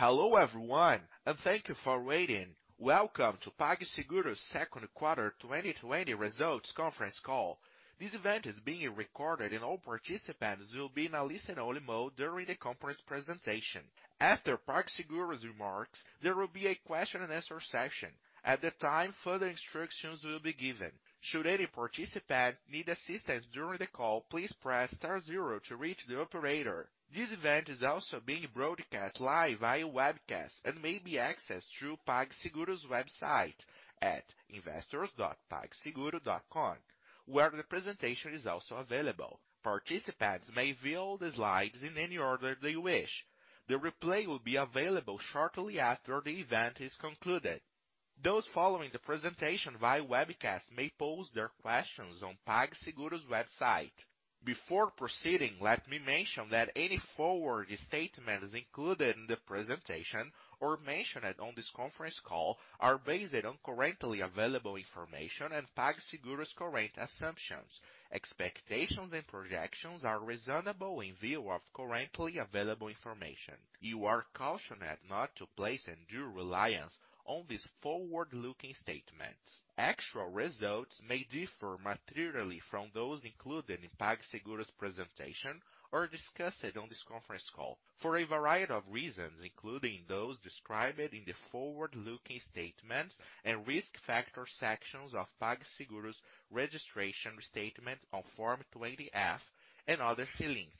Hello everyone, and thank you for waiting. Welcome to PagSeguro's second quarter 2020 results conference call. This event is being recorded, and all participants will be in a listen-only mode during the conference presentation. After PagSeguro's remarks, there will be a question and answer session. At that time, further instructions will be given. Should any participant need assistance during the call, please press star zero to reach the operator. This event is also being broadcast live via webcast and may be accessed through PagSeguro's website at investors.pagseguro.com, where the presentation is also available. Participants may view the slides in any order they wish. The replay will be available shortly after the event is concluded. Those following the presentation via webcast may pose their questions on PagSeguro's website. Before proceeding, let me mention that any forward statements included in the presentation or mentioned on this conference call are based on currently available information and PagSeguro's current assumptions. Expectations and projections are reasonable in view of currently available information. You are cautioned not to place undue reliance on these forward-looking statements. Actual results may differ materially from those included in PagSeguro's presentation or discussed on this conference call for a variety of reasons, including those described in the forward-looking statements and risk factors sections of PagSeguro's registration statement on Form 20-F and other filings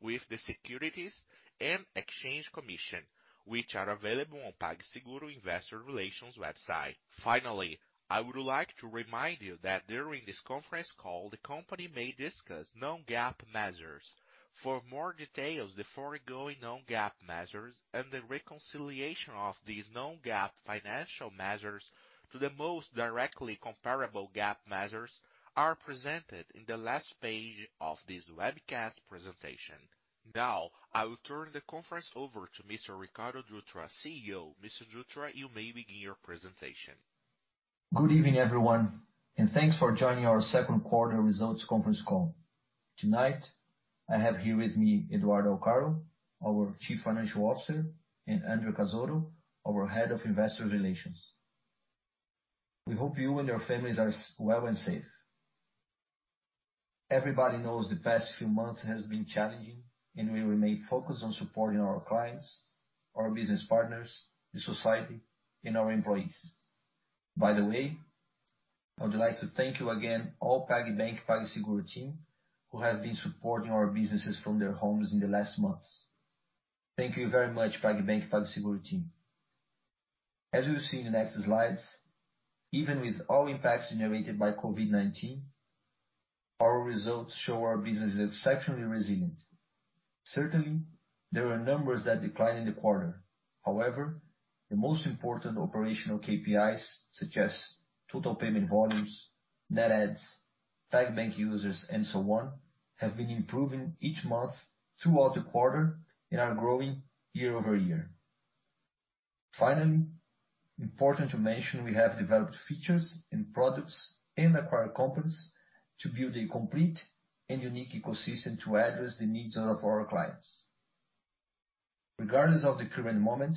with the Securities and Exchange Commission, which are available on PagSeguro investor relations website. Finally, I would like to remind you that during this conference call, the company may discuss non-GAAP measures. For more details, the foregoing non-GAAP measures and the reconciliation of these non-GAAP financial measures to the most directly comparable GAAP measures are presented in the last page of this webcast presentation. Now, I will turn the conference over to Mr. Ricardo Dutra, CEO. Mr. Dutra, you may begin your presentation. Good evening, everyone, and thanks for joining our second quarter results conference call. Tonight, I have here with me Eduardo Alcaro, our Chief Financial Officer, and André Cazotto, our Head of Investor Relations. We hope you and your families are well and safe. Everybody knows the past few months has been challenging, and we remain focused on supporting our clients, our business partners, the society, and our employees. By the way, I would like to thank you again, all PagBank, PagSeguro team who have been supporting our businesses from their homes in the last months. Thank you very much PagBank, PagSeguro team. As you'll see in the next slides, even with all impacts generated by COVID-19, our results show our business is exceptionally resilient. Certainly, there are numbers that declined in the quarter. However the most important operational KPIs, such as total payment volumes, net adds, PagBank users, and so on, have been improving each month throughout the quarter and are growing year-over-year. Important to mention, we have developed features and products and acquired companies to build a complete and unique ecosystem to address the needs of our clients. Regardless of the current moment,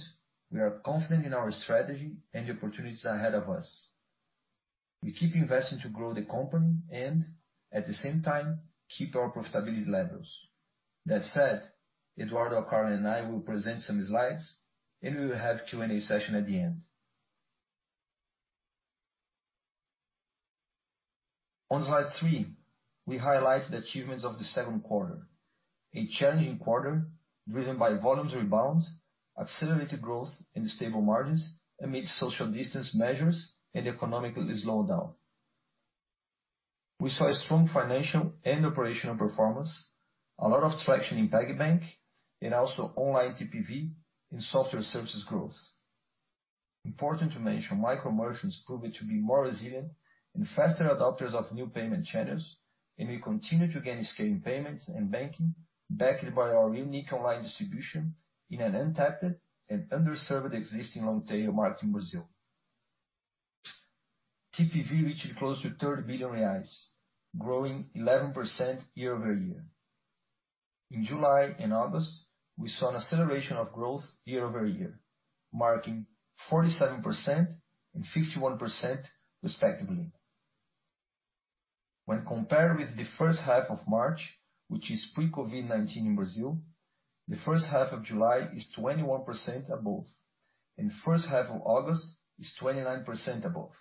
we are confident in our strategy and the opportunities ahead of us. We keep investing to grow the company and, at the same time, keep our profitability levels. That said, Eduardo Alcaro and I will present some slides, and we will have Q&A session at the end. On slide three, we highlight the achievements of the second quarter. A challenging quarter driven by volumes rebound, accelerated growth, and stable margins amid social distance measures and economic slowdown. We saw a strong financial and operational performance, a lot of traction in PagBank and also online TPV in software services growth. Important to mention, micro-merchants proved to be more resilient and faster adopters of new payment channels, and we continue to gain scale in payments and banking, backed by our unique online distribution in an untapped and underserved existing long-tail market in Brazil. TPV reached close to 30 billion reais, growing 11% year-over-year. In July and August, we saw an acceleration of growth year-over-year, marking 47% and 51% respectively. When compared with the first half of March, which is pre-COVID-19 in Brazil, the first half of July is 21% above, and first half of August is 29% above.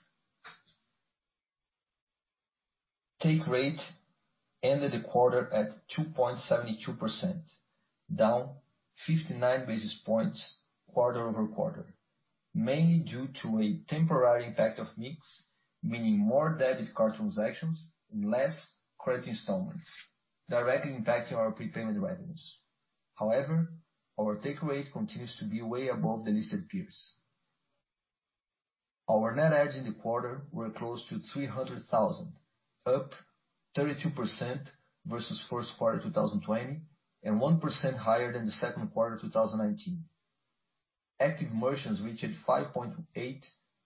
Take rate ended the quarter at 2.72%, down 59 basis points quarter-over-quarter, mainly due to a temporary impact of mix, meaning more debit card transactions and less credit installments directly impacting our prepayment revenues. However, our take rate continues to be way above the listed peers. Our net adds in the quarter were close to 300,000, up 32% versus first quarter 2020 and 1% higher than the second quarter 2019. Active merchants reached 5.8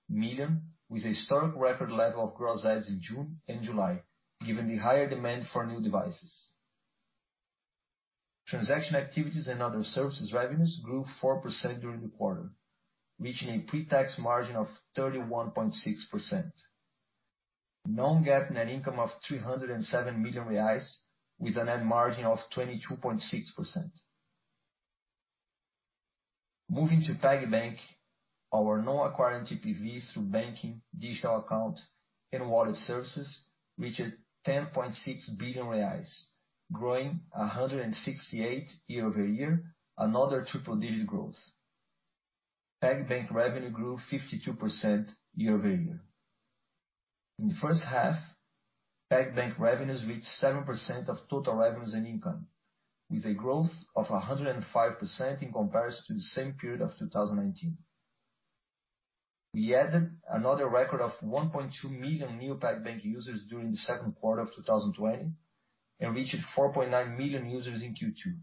million with a historic record level of gross adds in June and July, given the higher demand for new devices. Transaction activities and other services revenues grew 4% during the quarter, reaching a pre-tax margin of 31.6%. Non-GAAP net income of 307 million reais with a net margin of 22.6%. Moving to PagBank, our non-acquiring TPV through banking, digital account, and wallet services reached 10.6 billion reais, growing 168% year-over-year, another triple digit growth. PagBank revenue grew 52% year-over-year. In the first half, PagBank revenues reached 7% of total revenues and income, with a growth of 105% in comparison to the same period of 2019. We added another record of 1.2 million new PagBank users during the second quarter of 2020 and reached 4.9 million users in Q2.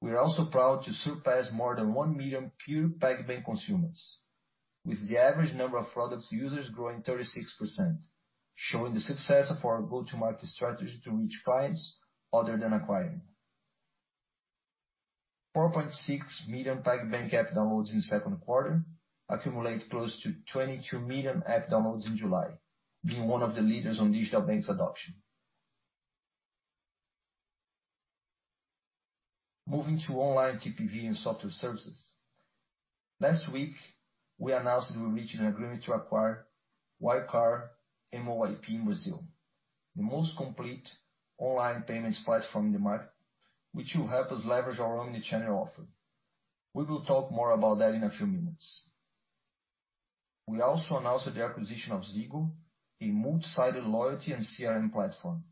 We are also proud to surpass more than 1 million pure PagBank consumers, with the average number of product users growing 36%, showing the success of our go-to-market strategy to reach clients other than acquiring. 4.6 million PagBank app downloads in the second quarter accumulate close to 22 million app downloads in July, being one of the leaders on digital banks adoption. Moving to online TPV and software services. Last week, we announced that we reached an agreement to acquire Wirecard Moip in Brazil, the most complete online payments platform in the market, which will help us leverage our omnichannel offer. We will talk more about that in a few minutes. We also announced the acquisition of ZYGO, a multi-sided loyalty and CRM platform.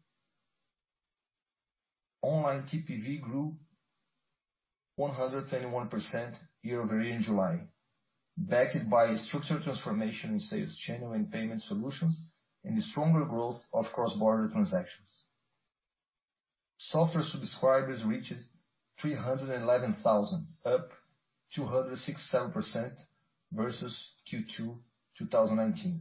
Online TPV grew 121% year-over-year in July, backed by a structural transformation in sales channel and payment solutions and the stronger growth of cross-border transactions. Software subscribers reached 311,000, up 267% versus Q2 2019.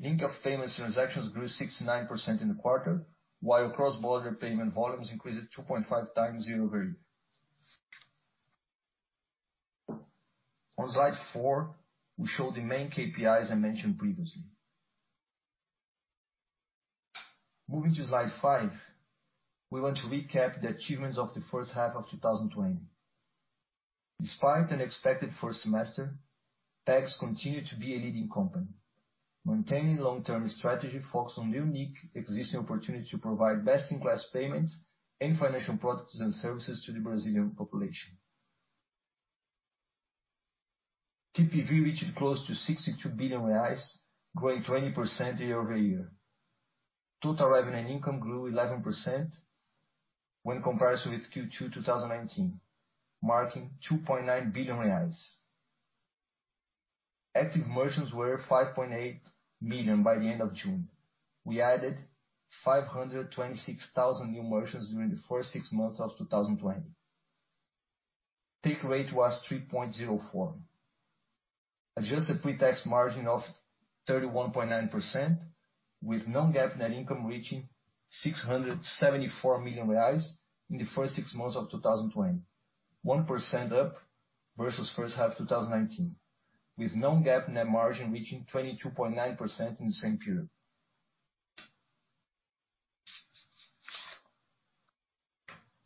Link of payments transactions grew 69% in the quarter, while cross-border payment volumes increased 2.5x year-over-year. On slide four, we show the main KPIs I mentioned previously. Moving to slide five, we want to recap the achievements of the first half of 2020. Despite an expected first semester, Pag continued to be a leading company, maintaining long-term strategy focused on unique existing opportunities to provide best-in-class payments and financial products and services to the Brazilian population. TPV reached close to 62 billion reais, growing 20% year-over-year. Total revenue and income grew 11% when compared with Q2 2019, marking 2.9 billion reais. Active merchants were 5.8 million by the end of June. We added 526,000 new merchants during the first six months of 2020. Take rate was 3.04. Adjusted pre-tax margin of 31.9%, with non-GAAP net income reaching 674 million reais in the first six months of 2020. 1% up versus first half 2019, with non-GAAP net margin reaching 22.9% in the same period.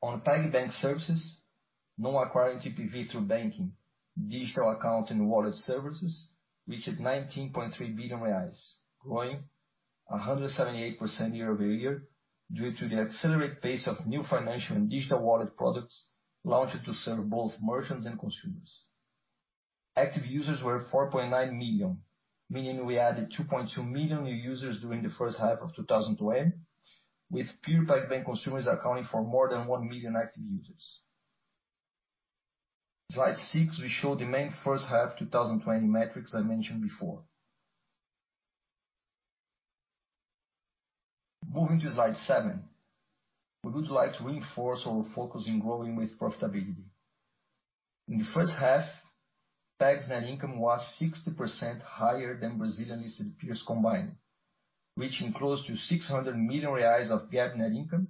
On PagBank services, non-acquiring TPV through banking, digital account, and wallet services reached 19.3 billion reais, growing 178% year-over-year due to the accelerated pace of new financial and digital wallet products launched to serve both merchants and consumers. Active users were 4.9 million, meaning we added 2.2 million new users during the first half of 2020, with pure PagBank consumers accounting for more than 1 million active users. On slide six, we show the main first half 2020 metrics I mentioned before. Moving to slide seven, we would like to reinforce our focus in growing with profitability. In the first half, Pag's net income was 60% higher than Brazilian listed peers combined, reaching close to 600 million reais of GAAP net income,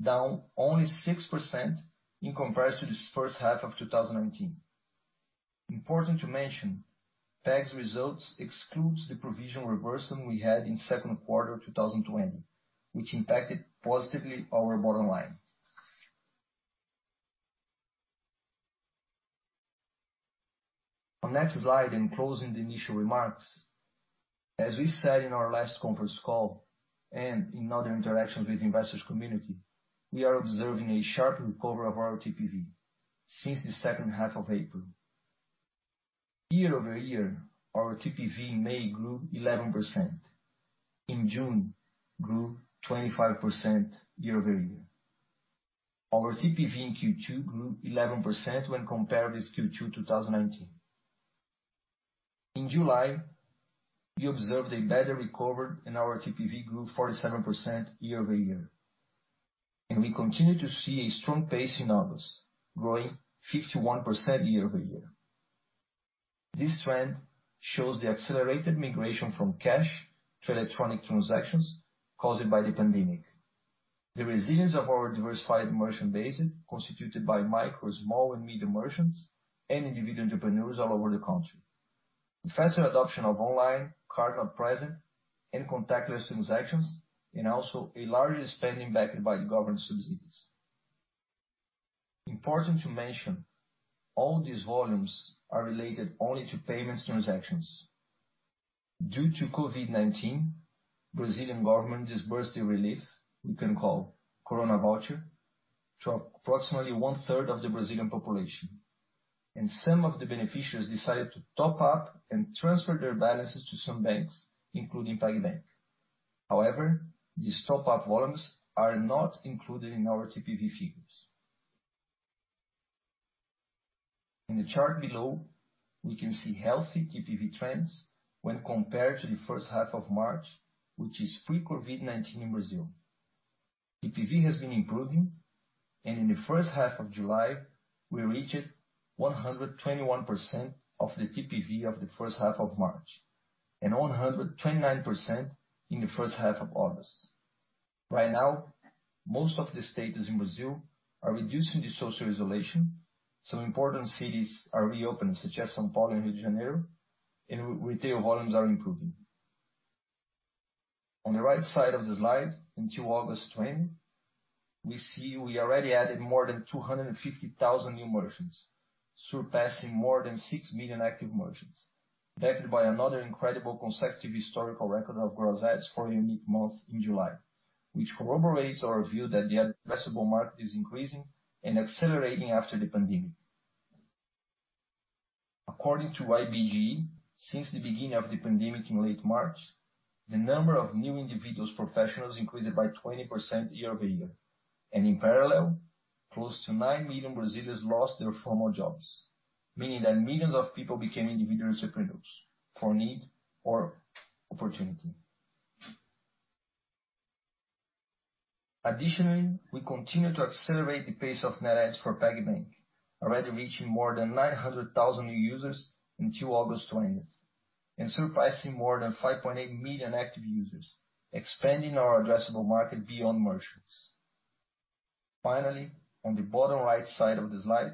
down only 6% in comparison to the first half of 2019. Important to mention, Pag's results excludes the provision reversal we had in second quarter 2020, which impacted positively our bottom line. On next slide, in closing the initial remarks, as we said in our last conference call and in other interactions with investors community, we are observing a sharp recovery of our TPV since the second half of April. Year-over-year, our TPV in May grew 11%. In June, grew 25% year-over-year. Our TPV in Q2 grew 11% when compared with Q2 2019. In July, we observed a better recovery in our TPV grew 47% year-over-year. We continue to see a strong pace in August, growing 51% year-over-year. This trend shows the accelerated migration from cash to electronic transactions caused by the pandemic. The resilience of our diversified merchant base is constituted by micro, small, and medium merchants, and individual entrepreneurs all over the country. The faster adoption of online, card-not-present, and contactless transactions, and also a large spending backed by the government subsidies. Important to mention, all these volumes are related only to payments transactions. Due to COVID-19, Brazilian government disbursed the relief, we can call corona voucher, to approximately 1/3 of the Brazilian population, and some of the beneficiaries decided to top up and transfer their balances to some banks, including PagBank. However, these top-up volumes are not included in our TPV figures. In the chart below, we can see healthy TPV trends when compared to the first half of March, which is pre-COVID-19 in Brazil. TPV has been improving, and in the first half of July, we reached 121% of the TPV of the first half of March, and 129% in the first half of August. Right now, most of the states in Brazil are reducing the social isolation, so important cities are reopened, such as São Paulo and Rio de Janeiro, and retail volumes are improving. On the right side of the slide, until August 20, we see we already added more than 250,000 new merchants, surpassing more than 6 million active merchants, backed by another incredible consecutive historical record of gross adds for a unique month in July, which corroborates our view that the addressable market is increasing and accelerating after the pandemic. According to IBGE, since the beginning of the pandemic in late March, the number of new individual professionals increased by 20% year-over-year, and in parallel, close to 9 million Brazilians lost their formal jobs, meaning that millions of people became individual entrepreneurs for need or opportunity. We continue to accelerate the pace of net adds for PagBank, already reaching more than 900,000 new users until August 20th and surpassing more than 5.8 million active users, expanding our addressable market beyond merchants. On the bottom right side of the slide,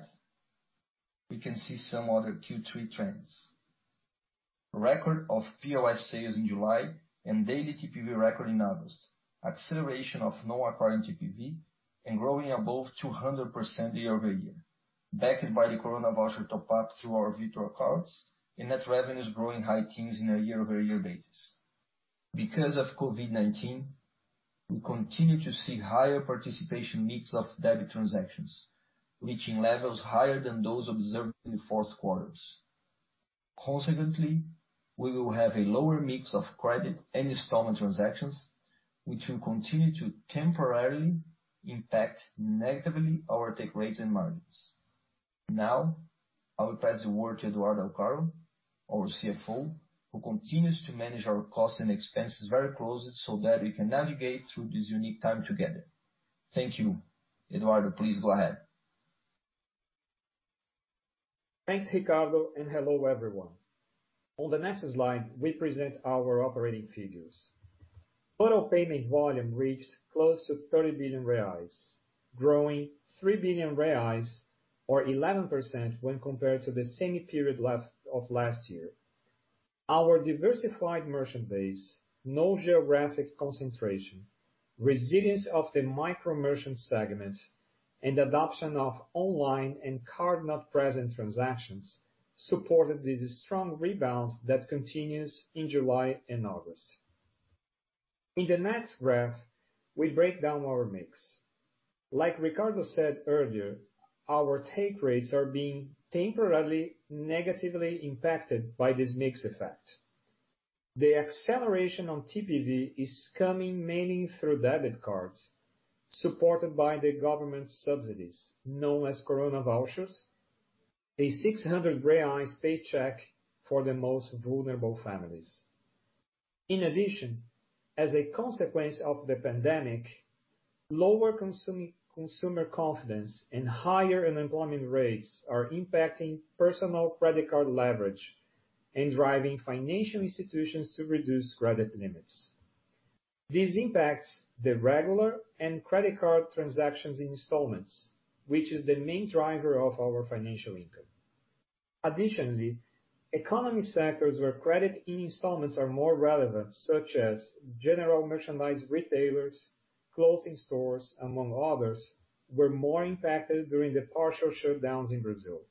we can see some other Q3 trends. Record of POS sales in July and daily TPV record in August. Acceleration of non-acquiring TPV and growing above 200% year-over-year, backed by the corona voucher top-up through our virtual cards and net revenues growing high teens in a year-over-year basis. Because of COVID-19, we continue to see higher participation mix of debit transactions, reaching levels higher than those observed in the fourth quarters. Consequently, we will have a lower mix of credit and installment transactions, which will continue to temporarily impact negatively our take rates and margins. Now, I will pass the word to Eduardo Alcaro, our CFO, who continues to manage our costs and expenses very closely so that we can navigate through this unique time together. Thank you. Eduardo, please go ahead. Thanks, Ricardo, and hello everyone. On the next slide, we present our operating figures. Total payment volume reached close to 30 billion reais, growing 3 billion reais or 11% when compared to the same period of last year. Our diversified merchant base, no geographic concentration, resilience of the micro merchant segment, and adoption of online and card-not-present transactions supported this strong rebound that continues in July and August. In the next graph, we break down our mix. Like Ricardo said earlier, our take rates are being temporarily negatively impacted by this mix effect. The acceleration on TPV is coming mainly through debit cards, supported by the government subsidies, known as corona vouchers, a 600 paycheck for the most vulnerable families. In addition, as a consequence of the pandemic, lower consumer confidence and higher unemployment rates are impacting personal credit card leverage and driving financial institutions to reduce credit limits. This impacts the regular and credit card transactions in installments, which is the main driver of our financial income. Additionally, economic sectors where credit in installments are more relevant, such as general merchandise retailers, clothing stores, among others, were more impacted during the partial shutdowns in Brazil.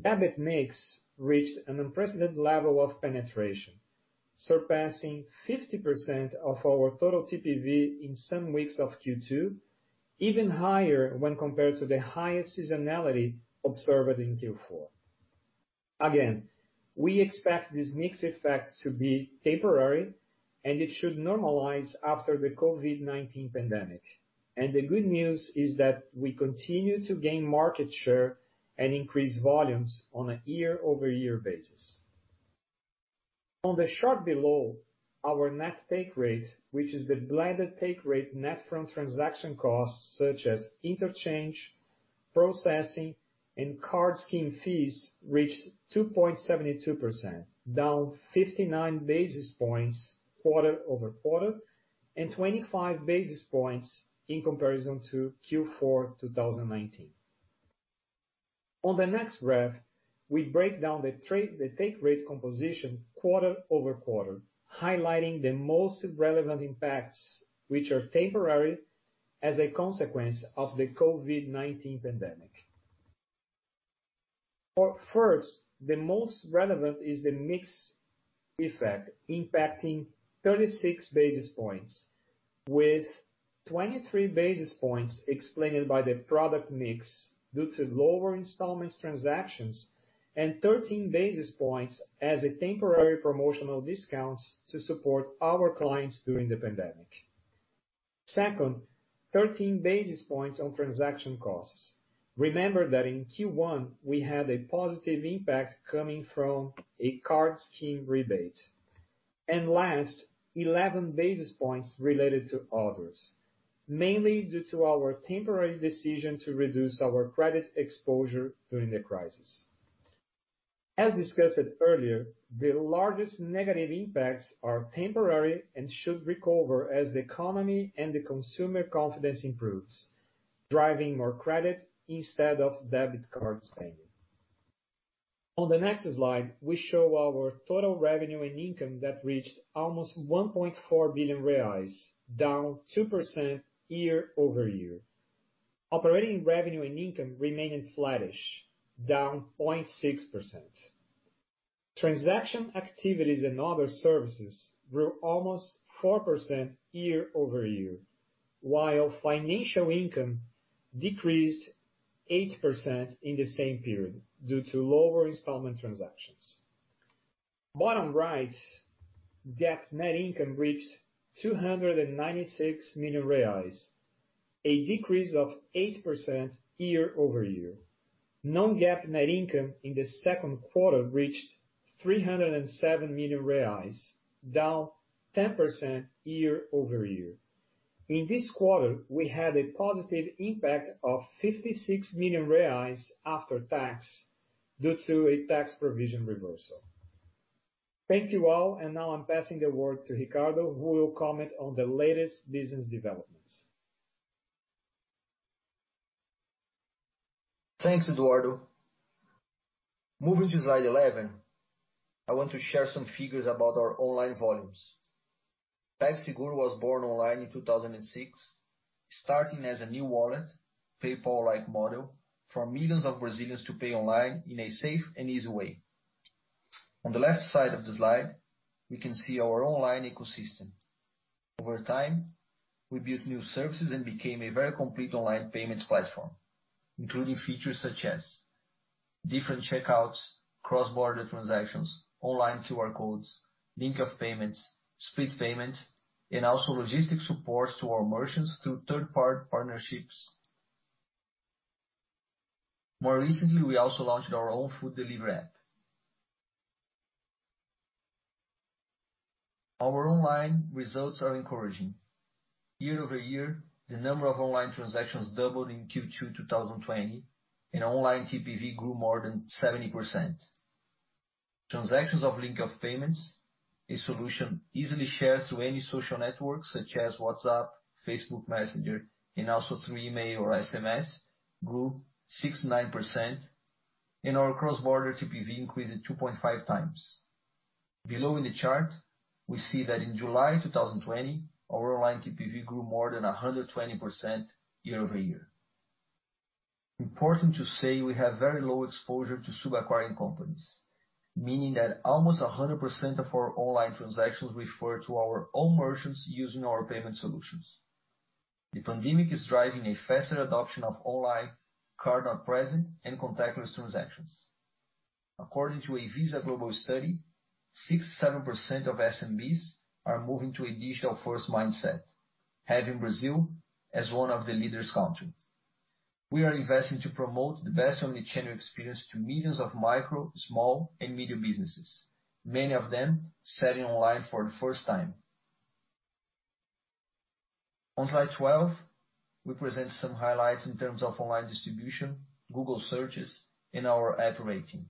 Debit mix reached an unprecedented level of penetration, surpassing 50% of our total TPV in some weeks of Q2, even higher when compared to the highest seasonality observed in Q4. Again, we expect this mix effect to be temporary. It should normalize after the COVID-19 pandemic. The good news is that we continue to gain market share and increase volumes on a year-over-year basis. On the chart below, our net take rate, which is the blended take rate net from transaction costs such as interchange, processing, and card scheme fees, reached 2.72%, down 59 basis points quarter-over-quarter and 25 basis points in comparison to Q4 2019. On the next graph, we break down the take rate composition quarter-over-quarter, highlighting the most relevant impacts, which are temporary as a consequence of the COVID-19 pandemic. The most relevant is the mix effect, impacting 36 basis points, with 23 basis points explained by the product mix due to lower installment transactions, and 13 basis points as a temporary promotional discount to support our clients during the pandemic. 13 basis points on transaction costs. Remember that in Q1, we had a positive impact coming from a card scheme rebate. Last, 11 basis points related to others, mainly due to our temporary decision to reduce our credit exposure during the crisis. As discussed earlier, the largest negative impacts are temporary and should recover as the economy and the consumer confidence improves, driving more credit instead of debit card spending. On the next slide, we show our total revenue and income that reached almost 1.4 billion reais, down 2% year-over-year. Operating revenue and income remaining flattish, down 0.6%. Transaction activities and other services grew almost 4% year-over-year, while financial income decreased 8% in the same period due to lower installment transactions. Bottom right, GAAP net income reached 296 million reais, a decrease of 8% year-over-year. non-GAAP net income in the second quarter reached 307 million reais, down 10% year-over-year. In this quarter, we had a positive impact of 56 million reais after tax due to a tax provision reversal. Thank you all. Now I'm passing the word to Ricardo, who will comment on the latest business developments. Thanks, Eduardo. Moving to slide 11, I want to share some figures about our online volumes. PagSeguro was born online in 2006, starting as a new wallet, PayPal-like model, for millions of Brazilians to pay online in a safe and easy way. On the left side of the slide, we can see our online ecosystem. Over time, we built new services and became a very complete online payments platform, including features such as different checkouts, cross-border transactions, online QR codes, link of payments, split payments, and also logistic supports to our merchants through third-party partnerships. More recently, we also launched our own food delivery app. Our online results are encouraging. Year-over-year, the number of online transactions doubled in Q2 2020, and online TPV grew more than 70%. Transactions of link of payments, a solution easily shared through any social network such as WhatsApp, Facebook Messenger, and also through email or SMS, grew 69%, and our cross-border TPV increased 2.5x. Below in the chart, we see that in July 2020, our online TPV grew more than 120% year-over-year. Important to say we have very low exposure to sub-acquiring companies, meaning that almost 100% of our online transactions refer to our own merchants using our payment solutions. The pandemic is driving a faster adoption of online card-not-present and contactless transactions. According to a Visa global study, 67% of SMBs are moving to a digital-first mindset, having Brazil as one of the leaders country. We are investing to promote the best omnichannel experience to millions of micro, small, and medium businesses, many of them selling online for the first time. On slide 12, we present some highlights in terms of online distribution, Google searches, and our app rating.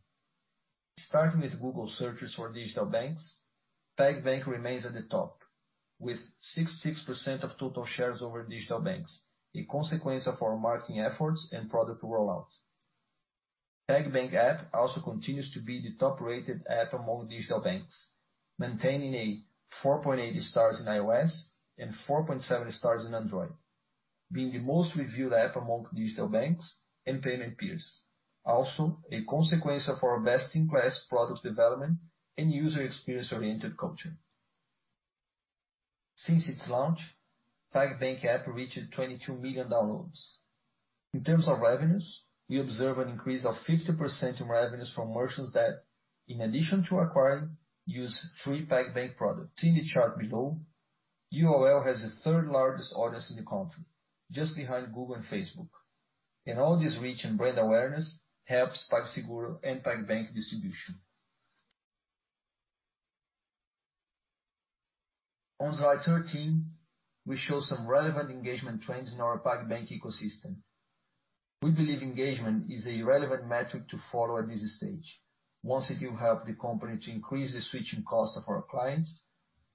Starting with Google searches for digital banks, PagBank remains at the top with 66% of total shares over digital banks, a consequence of our marketing efforts and product rollout. PagBank app also continues to be the top-rated app among digital banks, maintaining a 4.8 stars in iOS and 4.7 stars in Android, being the most reviewed app among digital banks and payment peers. A consequence of our best-in-class product development and user experience-oriented culture. Since its launch, PagBank app reached 22 million downloads. In terms of revenues, we observe an increase of 50% in revenues from merchants that, in addition to acquiring, use three PagBank products. See the chart below, UOL has the third largest audience in the country, just behind Google and Facebook. All this reach and brand awareness helps PagSeguro and PagBank distribution. On slide 13, we show some relevant engagement trends in our PagBank ecosystem. We believe engagement is a relevant metric to follow at this stage, once it will help the company to increase the switching cost of our clients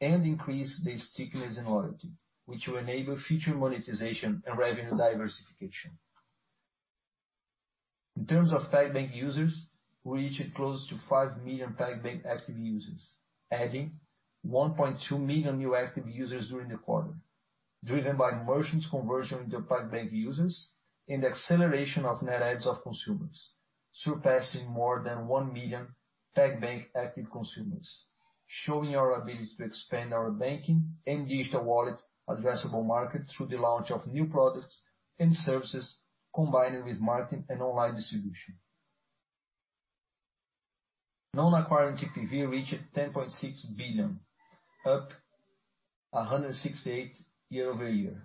and increase the stickiness and loyalty, which will enable future monetization and revenue diversification. In terms of PagBank users, we reached close to 5 million PagBank active users, adding 1.2 million new active users during the quarter, driven by merchants conversion into PagBank users and acceleration of net adds of consumers, surpassing more than 1 million PagBank active consumers, showing our ability to expand our banking and digital wallet addressable market through the launch of new products and services, combining with marketing and online distribution. Non-acquiring TPV reached 10.6 billion, up 168% year-over-year.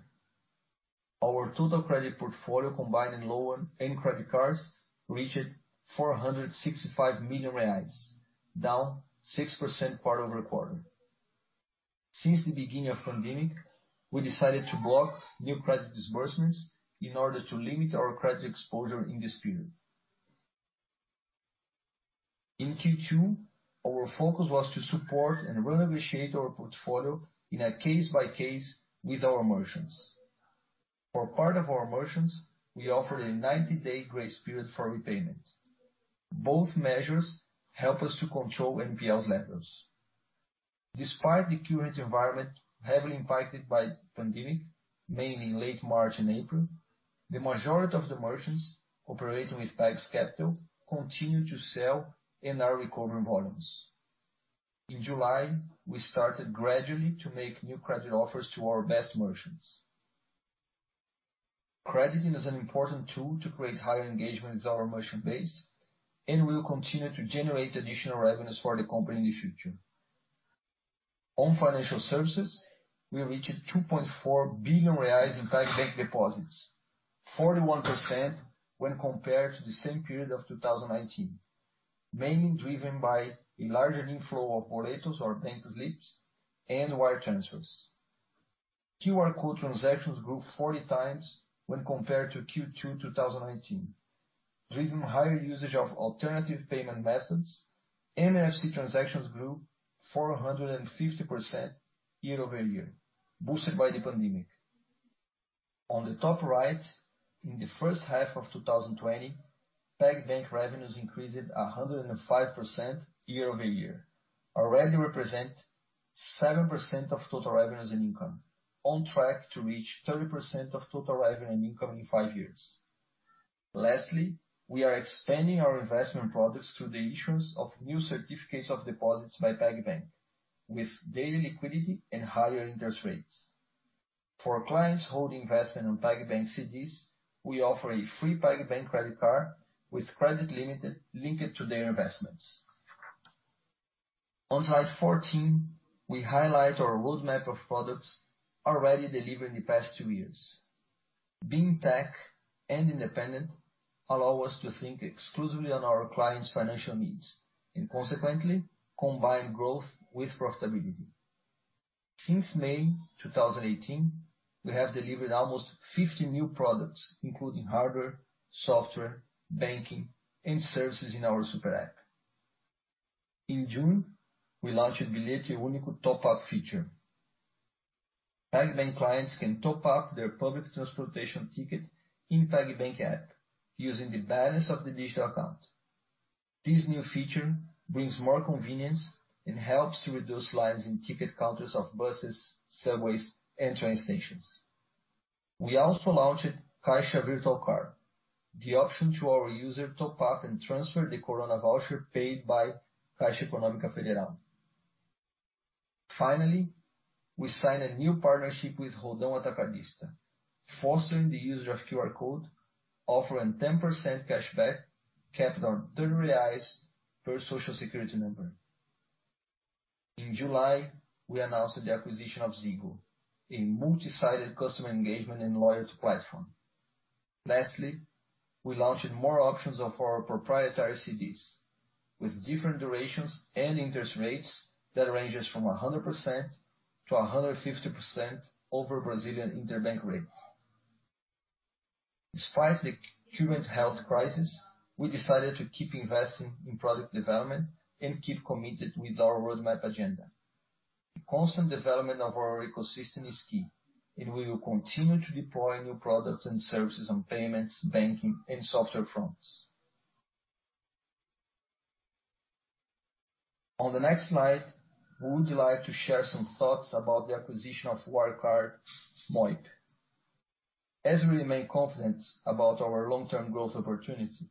Our total credit portfolio, combining loan and credit cards, reached 465 million reais, down 6% quarter-over-quarter. Since the beginning of pandemic, we decided to block new credit disbursements in order to limit our credit exposure in this period. In Q2, our focus was to support and renegotiate our portfolio in a case-by-case with our merchants. For part of our merchants, we offered a 90-day grace period for repayment. Both measures help us to control NPLs levels. Despite the current environment heavily impacted by pandemic, mainly in late March and April, the majority of the merchants operating with PAGS Capital continued to sell and are recovering volumes. In July, we started gradually to make new credit offers to our best merchants. Crediting is an important tool to create higher engagement with our merchant base and will continue to generate additional revenues for the company in the future. On financial services, we reached 2.4 billion reais in PagBank deposits, 41% when compared to the same period of 2019, mainly driven by a larger inflow of boletos or bank slips and wire transfers. QR code transactions grew 40 times when compared to Q2 2019, driven higher usage of alternative payment methods. NFC transactions grew 450% year-over-year, boosted by the pandemic. On the top right, in the first half of 2020, PagBank revenues increased 105% year-over-year, already represent 7% of total revenues and income, on track to reach 30% of total revenue and income in five years. Lastly, we are expanding our investment products through the issuance of new certificates of deposits by PagBank with daily liquidity and higher interest rates. For clients holding investment on PagBank CDs, we offer a free PagBank credit card with credit limit linked to their investments. On slide 14, we highlight our roadmap of products already delivered in the past two years. Being tech and independent allow us to think exclusively on our clients' financial needs and consequently combine growth with profitability. Since May 2018, we have delivered almost 50 new products, including hardware, software, banking, and services in our super app. In June, we launched Bilhete Único top-up feature. PagBank clients can top up their public transportation ticket in PagBank app using the balance of the digital account. This new feature brings more convenience and helps to reduce lines in ticket counters of buses, subways, and train stations. We also launched Caixa Virtual Card, the option to our user top up and transfer the corona voucher paid by Caixa Econômica Federal. Finally, we signed a new partnership with Roldão Atacadista, fostering the user of QR code, offering 10% cashback, capped on 30 reais per social security number. In July, we announced the acquisition of ZYGO, a multi-sided customer engagement and loyalty platform. Lastly, we launched more options of our proprietary CDs with different durations and interest rates that ranges from 100% to 150% over Brazilian interbank rates. Despite the current health crisis, we decided to keep investing in product development and keep committed with our roadmap agenda. The constant development of our ecosystem is key, and we will continue to deploy new products and services on payments, banking, and software fronts. On the next slide, we would like to share some thoughts about the acquisition of Wirecard Moip. As we remain confident about our long-term growth opportunity,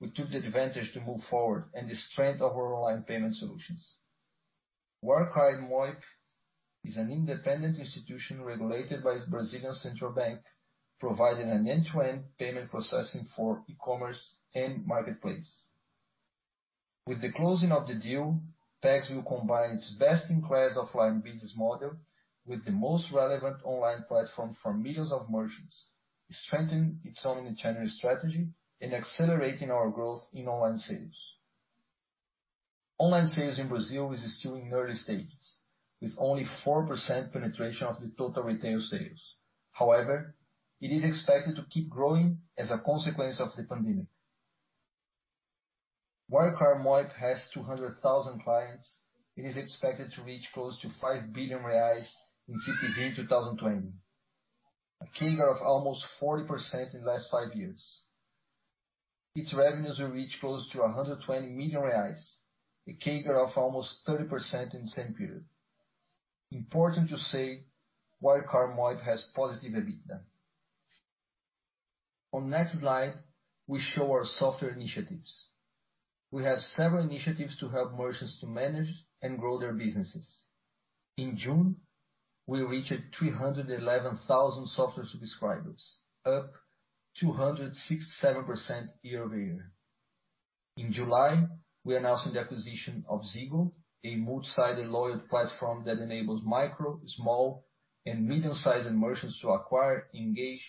we took the advantage to move forward and the strength of our online payment solutions. Wirecard Moip is an independent institution regulated by Central Bank of Brazil, providing an end-to-end payment processing for e-commerce and marketplace. With the closing of the deal, Pag will combine its best-in-class offline business model with the most relevant online platform for millions of merchants, strengthening its omnichannel strategy and accelerating our growth in online sales. Online sales in Brazil is still in early stages, with only 4% penetration of the total retail sales. It is expected to keep growing as a consequence of the pandemic. Wirecard Moip has 200,000 clients. It is expected to reach close to 5 billion reais in TPV 2020. A CAGR of almost 40% in the last five years. Its revenues will reach close to 120 million reais, a CAGR of almost 30% in the same period. Important to say, Wirecard Moip has positive EBITDA. On next slide, we show our software initiatives. We have several initiatives to help merchants to manage and grow their businesses. In June, we reached 311,000 software subscribers, up 267% year-over-year. In July, we're announcing the acquisition of ZYGO, a multi-sided loyalty platform that enables micro, small, and medium-sized merchants to acquire, engage,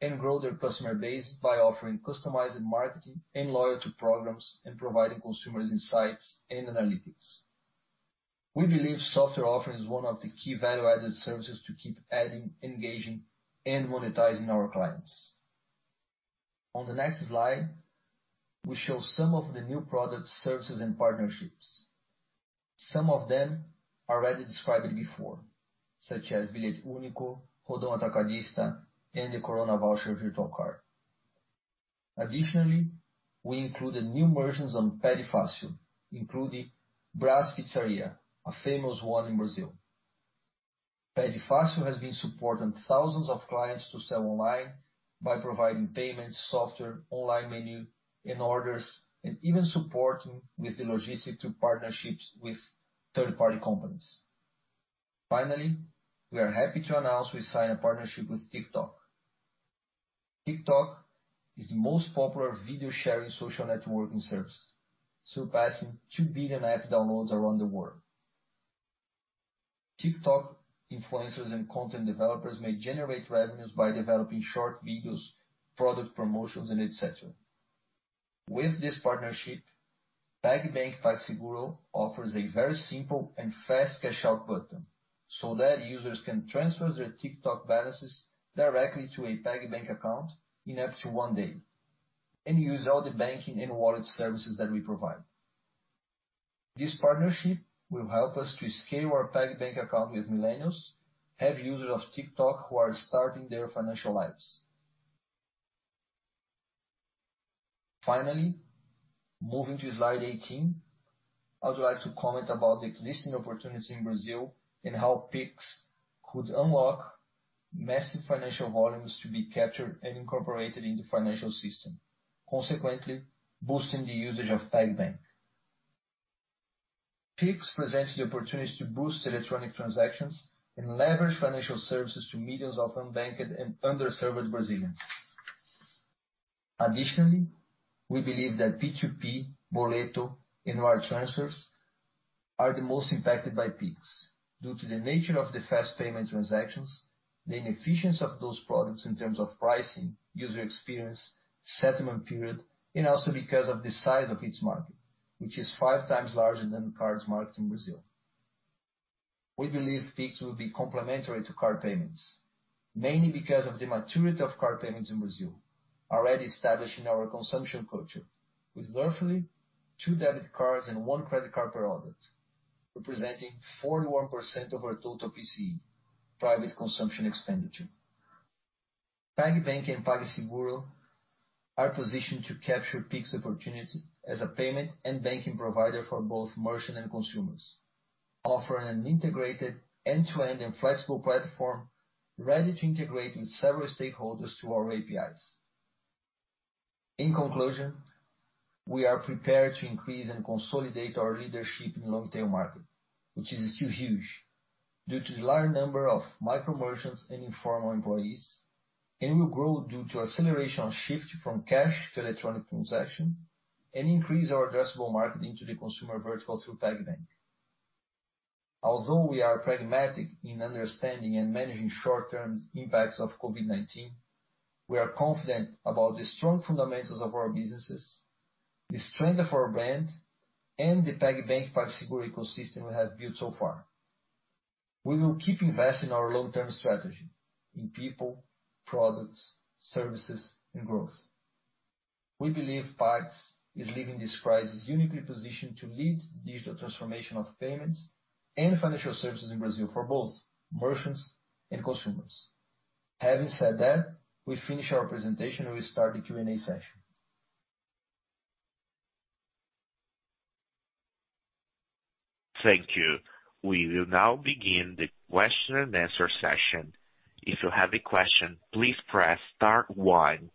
and grow their customer base by offering customized marketing and loyalty programs and providing consumers insights and analytics. We believe software offering is one of the key value-added services to keep adding, engaging, and monetizing our clients. On the next slide, we show some of the new products, services, and partnerships. Some of them are already described before, such as Bilhete Único, Roldão Atacadista, and the corona voucher virtual card. Additionally, we included new merchants on Pede Fácil, including Bráz Pizzaria, a famous one in Brazil. Pede Fácil has been supporting thousands of clients to sell online by providing payments, software, online menu, and orders, and even supporting with the logistic through partnerships with third-party companies. Finally, we are happy to announce we signed a partnership with TikTok. TikTok is the most popular video-sharing social networking service, surpassing 2 billion app downloads around the world. TikTok influencers and content developers may generate revenues by developing short videos, product promotions, and et cetera. With this partnership, PagBank PagSeguro offers a very simple and fast cash out button so that users can transfer their TikTok balances directly to a PagBank account in up to one day and use all the banking and wallet services that we provide. This partnership will help us to scale our PagBank account with millennials, heavy users of TikTok who are starting their financial lives. Finally, moving to slide 18, I would like to comment about the existing opportunity in Brazil and how Pix could unlock massive financial volumes to be captured and incorporated in the financial system, consequently boosting the usage of PagBank. Pix presents the opportunity to boost electronic transactions and leverage financial services to millions of unbanked and underserved Brazilians. Additionally, we believe that P2P, boleto, and wire transfers are the most impacted by Pix due to the nature of the fast payment transactions, the inefficiency of those products in terms of pricing, user experience, settlement period, and also because of the size of its market, which is 5x larger than the cards market in Brazil. We believe Pix will be complementary to card payments, mainly because of the maturity of card payments in Brazil, already established in our consumption culture with roughly two debit cards and one credit card per adult, representing 41% of our total PCE, private consumption expenditure. PagBank and PagSeguro are positioned to capture Pix opportunity as a payment and banking provider for both merchant and consumers, offering an integrated end-to-end and flexible platform ready to integrate with several stakeholders to our APIs. In conclusion, we are prepared to increase and consolidate our leadership in long-tail market, which is still huge due to the large number of micro merchants and informal employees, and will grow due to acceleration on shift from cash to electronic transaction and increase our addressable market into the consumer vertical through PagBank. Although we are pragmatic in understanding and managing short-term impacts of COVID-19, we are confident about the strong fundamentals of our businesses, the strength of our brand, and the PagBank/PagSeguro ecosystem we have built so far. We will keep investing our long-term strategy in people, products, services, and growth. We believe Pag is leaving this crisis uniquely positioned to lead digital transformation of payments and financial services in Brazil for both merchants and consumers. Having said that, we finish our presentation, and we start the Q&A session. Thank you. We will now begin the question and answer session. If you have a question, please press star one.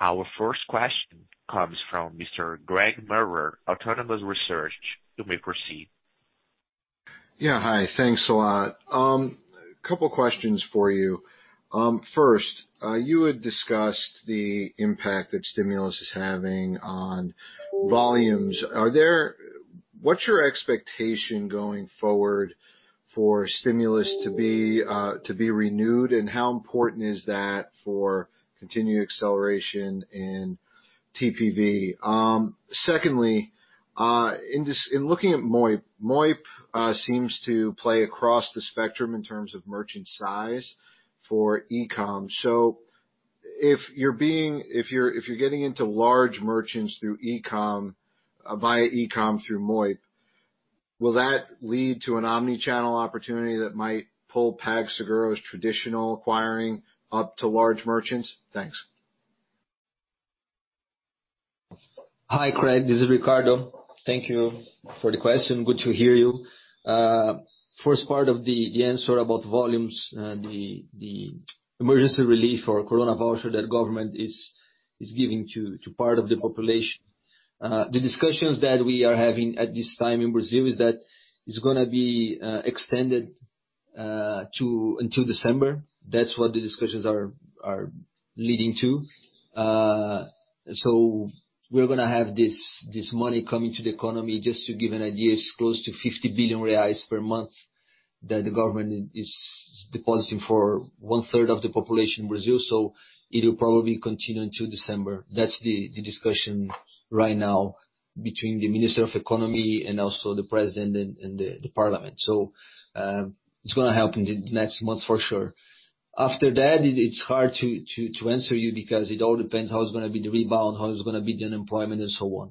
Our first question comes from Mr. Craig Maurer, Autonomous Research. You may proceed. Yeah. Hi. Thanks a lot. Couple questions for you. First, you had discussed the impact that stimulus is having on volumes. What's your expectation going forward for stimulus to be renewed, and how important is that for continued acceleration in TPV? Secondly, in looking at Moip seems to play across the spectrum in terms of merchant size for e-com. If you're getting into large merchants via e-com through Moip, will that lead to an omnichannel opportunity that might pull PagSeguro's traditional acquiring up to large merchants? Thanks. Hi, Craig, this is Ricardo. Thank you for the question. Good to hear you. First part of the answer about volumes, the emergency relief or corona voucher that government is giving to part of the population. The discussions that we are having at this time in Brazil is that it's gonna be extended until December. That's what the discussions are leading to. We're gonna have this money coming to the economy. Just to give an idea, it's close to 50 billion reais per month that the government is depositing for 1/3 of the population in Brazil. It will probably continue until December. That's the discussion right now between the Ministry of Economy and also the President and the Parliament. It's gonna help in the next month for sure. After that, it's hard to answer you because it all depends how it's gonna be the rebound, how it's gonna be the unemployment, and so on.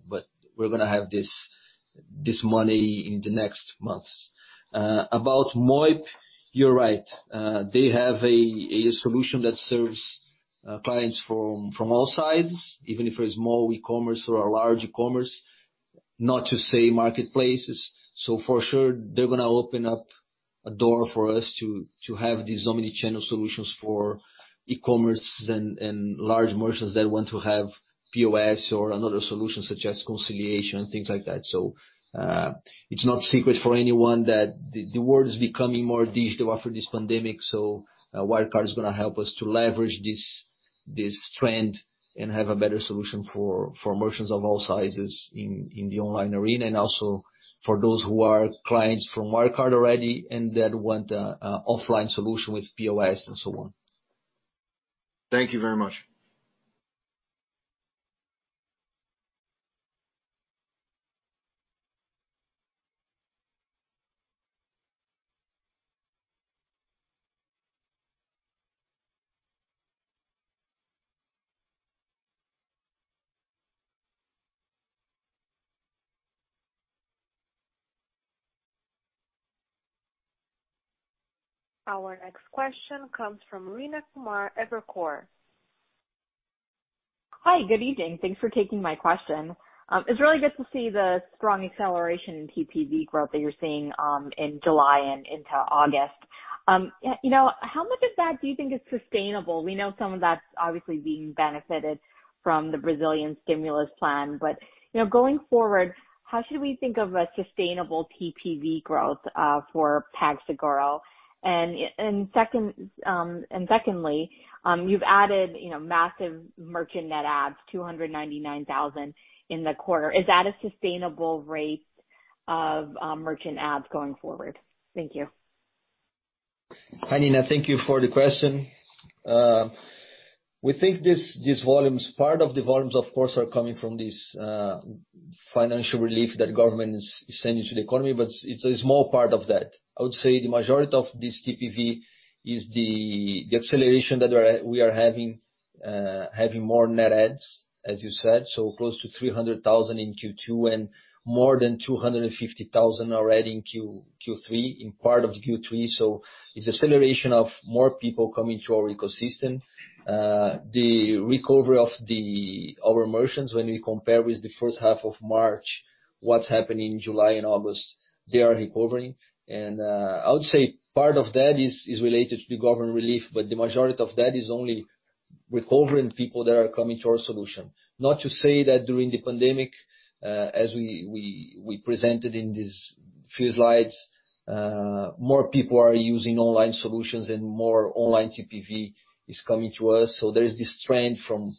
We're gonna have this money in the next months. About Moip, you're right. They have a solution that serves clients from all sizes, even if it's small e-commerce or a large e-commerce, not to say marketplaces. For sure, they're gonna open up a door for us to have these omnichannel solutions for e-commerce and large merchants that want to have POS or another solution such as conciliation, things like that. It's not secret for anyone that the world is becoming more digital after this pandemic. Wirecard is going to help us to leverage this trend and have a better solution for merchants of all sizes in the online arena, and also for those who are clients from Wirecard already and that want a offline solution with POS and so on. Thank you very much. Our next question comes from Rayna Kumar, Evercore. Hi. Good evening. Thanks for taking my question. It's really good to see the strong acceleration in TPV growth that you're seeing in July and into August. How much of that do you think is sustainable? We know some of that's obviously being benefited from the Brazilian stimulus plan. Going forward, how should we think of a sustainable TPV growth for PagSeguro? Secondly, you've added massive merchant net adds, 299,000 in the quarter. Is that a sustainable rate of merchant adds going forward? Thank you. Hi, Rayna. Thank you for the question. We think these volumes, part of the volumes, of course, are coming from this financial relief that government is sending to the economy, but it's a small part of that. I would say the majority of this TPV is the acceleration that we are having more net adds, as you said. Close to 300,000 in Q2 and more than 250,000 already in part of Q3. It's acceleration of more people coming to our ecosystem. The recovery of our merchants, when we compare with the first half of March, what's happened in July and August, they are recovering. I would say part of that is related to the government relief, but the majority of that is only recovering people that are coming to our solution. Not to say that during the pandemic, as we presented in these few slides, more people are using online solutions and more online TPV is coming to us. There is this trend from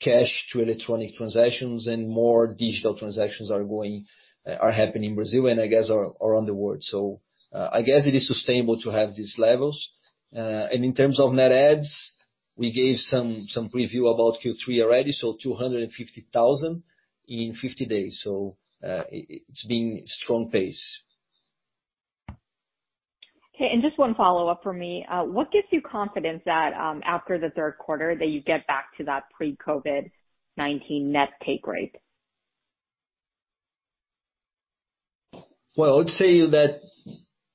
cash to electronic transactions, and more digital transactions are happening in Brazil, and I guess around the world. I guess it is sustainable to have these levels. And in terms of net adds, we gave some preview about Q3 already, 250,000 in 50 days. It's been strong pace. Okay. Just one follow-up from me. What gives you confidence that after the third quarter, that you get back to that pre-COVID-19 net take rate? Well, I would say that,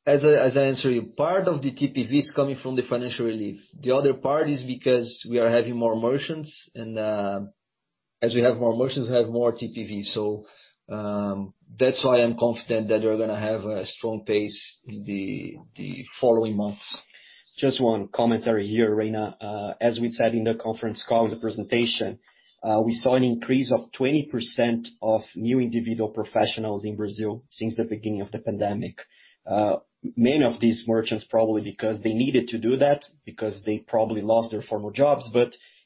as I answer you, part of the TPV is coming from the financial relief. The other part is because we are having more merchants. As we have more merchants, we have more TPV. That's why I'm confident that we're going to have a strong pace in the following months. Just one commentary here, Rayna. As we said in the conference call, the presentation, we saw an increase of 20% of new individual professionals in Brazil since the beginning of the pandemic. Many of these merchants, probably because they needed to do that, because they probably lost their former jobs,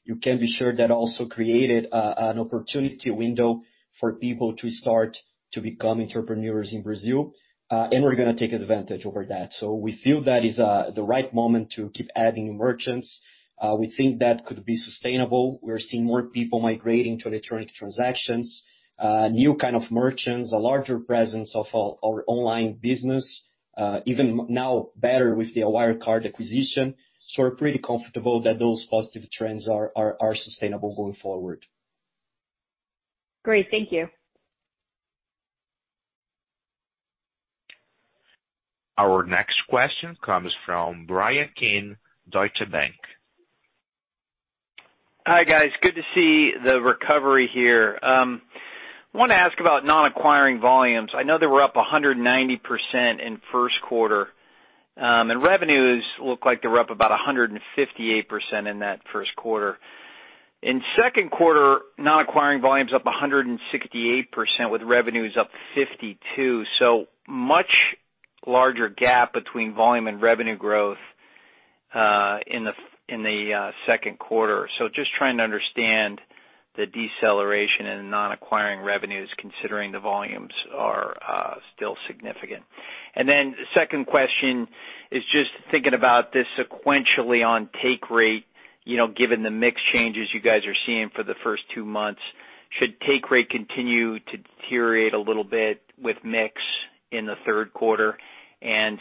you can be sure that also created an opportunity window for people to start to become entrepreneurs in Brazil. We're going to take advantage over that. We feel that is the right moment to keep adding merchants. We think that could be sustainable. We're seeing more people migrating to electronic transactions, new kind of merchants, a larger presence of our online business. Even now better with the Wirecard acquisition. We're pretty comfortable that those positive trends are sustainable going forward. Great. Thank you. Our next question comes from Bryan Keane, Deutsche Bank. Hi, guys. Good to see the recovery here. I want to ask about non-acquiring volumes. I know they were up 190% in first quarter. Revenues look like they were up about 158% in that first quarter. In second quarter, non-acquiring volumes up 168% with revenues up 52%. Much larger gap between volume and revenue growth in the second quarter. Just trying to understand the deceleration in non-acquiring revenues, considering the volumes are still significant. The second question is just thinking about this sequentially on take rate, given the mix changes you guys are seeing for the first two months, should take rate continue to deteriorate a little bit with mix in the third quarter?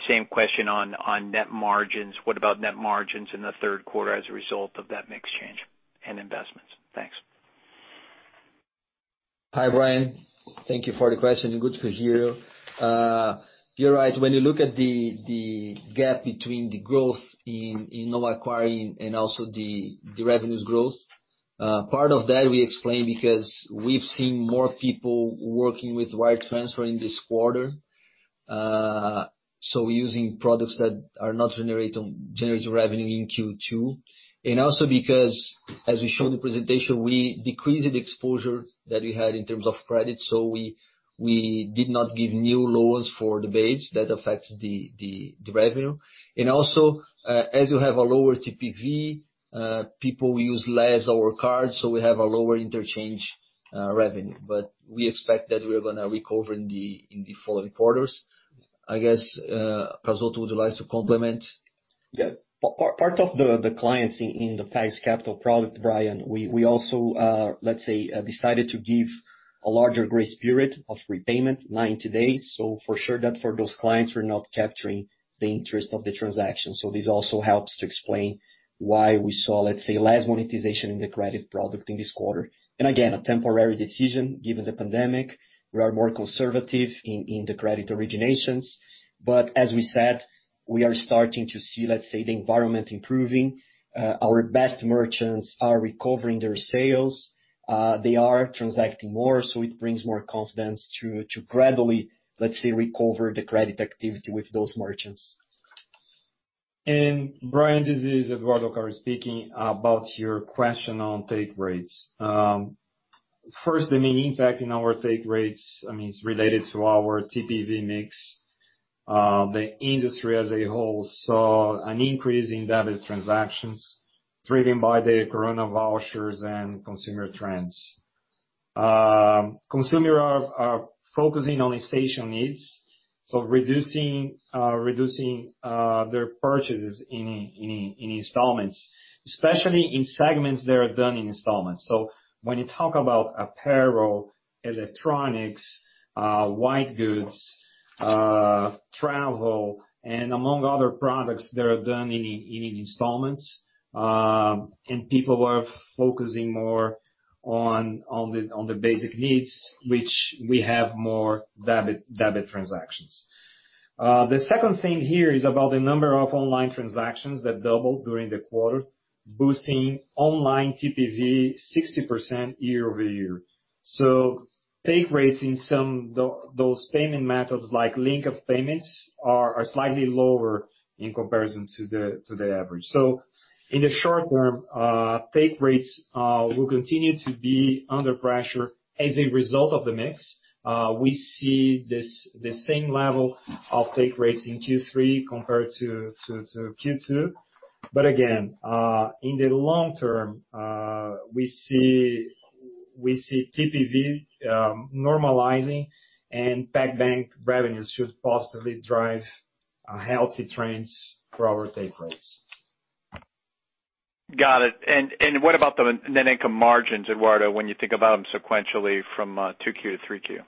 Same question on net margins. What about net margins in the third quarter as a result of that mix change and investments? Thanks. Hi, Bryan. Thank you for the question. Good to hear you. You're right. When you look at the gap between the growth in non-acquiring, also the revenues growth, part of that we explain because we've seen more people working with wire transfer in this quarter. We're using products that are not generating revenue in Q2. Also because, as we show in the presentation, we decreased the exposure that we had in terms of credit. We did not give new loans for the base that affects the revenue. Also, as you have a lower TPV, people use less our card. We have a lower interchange revenue. We expect that we're going to recover in the following quarters. I guess, Cazotto would you like to complement? Yes. Part of the clients in the PAGS Capital product, Bryan, we also let's say, decided to give a larger grace period of repayment, 90 days. For sure that for those clients, we're not capturing the interest of the transaction. This also helps to explain why we saw, let's say, less monetization in the credit product in this quarter. Again, a temporary decision given the pandemic. We are more conservative in the credit originations. As we said, we are starting to see, let's say, the environment improving. Our best merchants are recovering their sales. They are transacting more, so it brings more confidence to gradually, let's say, recover the credit activity with those merchants. Bryan, this is Eduardo Alcaro speaking. About your question on take rates. First, the main impact in our take rates, I mean, it's related to our TPV mix. The industry as a whole saw an increase in debit transactions driven by the corona voucher and consumer trends. Consumer are focusing on essential needs, so reducing their purchases in installments, especially in segments that are done in installments. When you talk about apparel, electronics, white goods, travel, and among other products that are done in installments. People are focusing more on the basic needs, which we have more debit transactions. The second thing here is about the number of online transactions that doubled during the quarter, boosting online TPV 60% year-over-year. Take rates in some those payment methods like link of payments are slightly lower in comparison to the average. In the short term, take rates will continue to be under pressure as a result of the mix. We see the same level of take rates in Q3 compared to Q2. Again, in the long term, we see TPV normalizing and PagBank revenues should positively drive healthy trends for our take rates. Got it. What about the net income margins, Eduardo, when you think about them sequentially from 2Q to 3Q?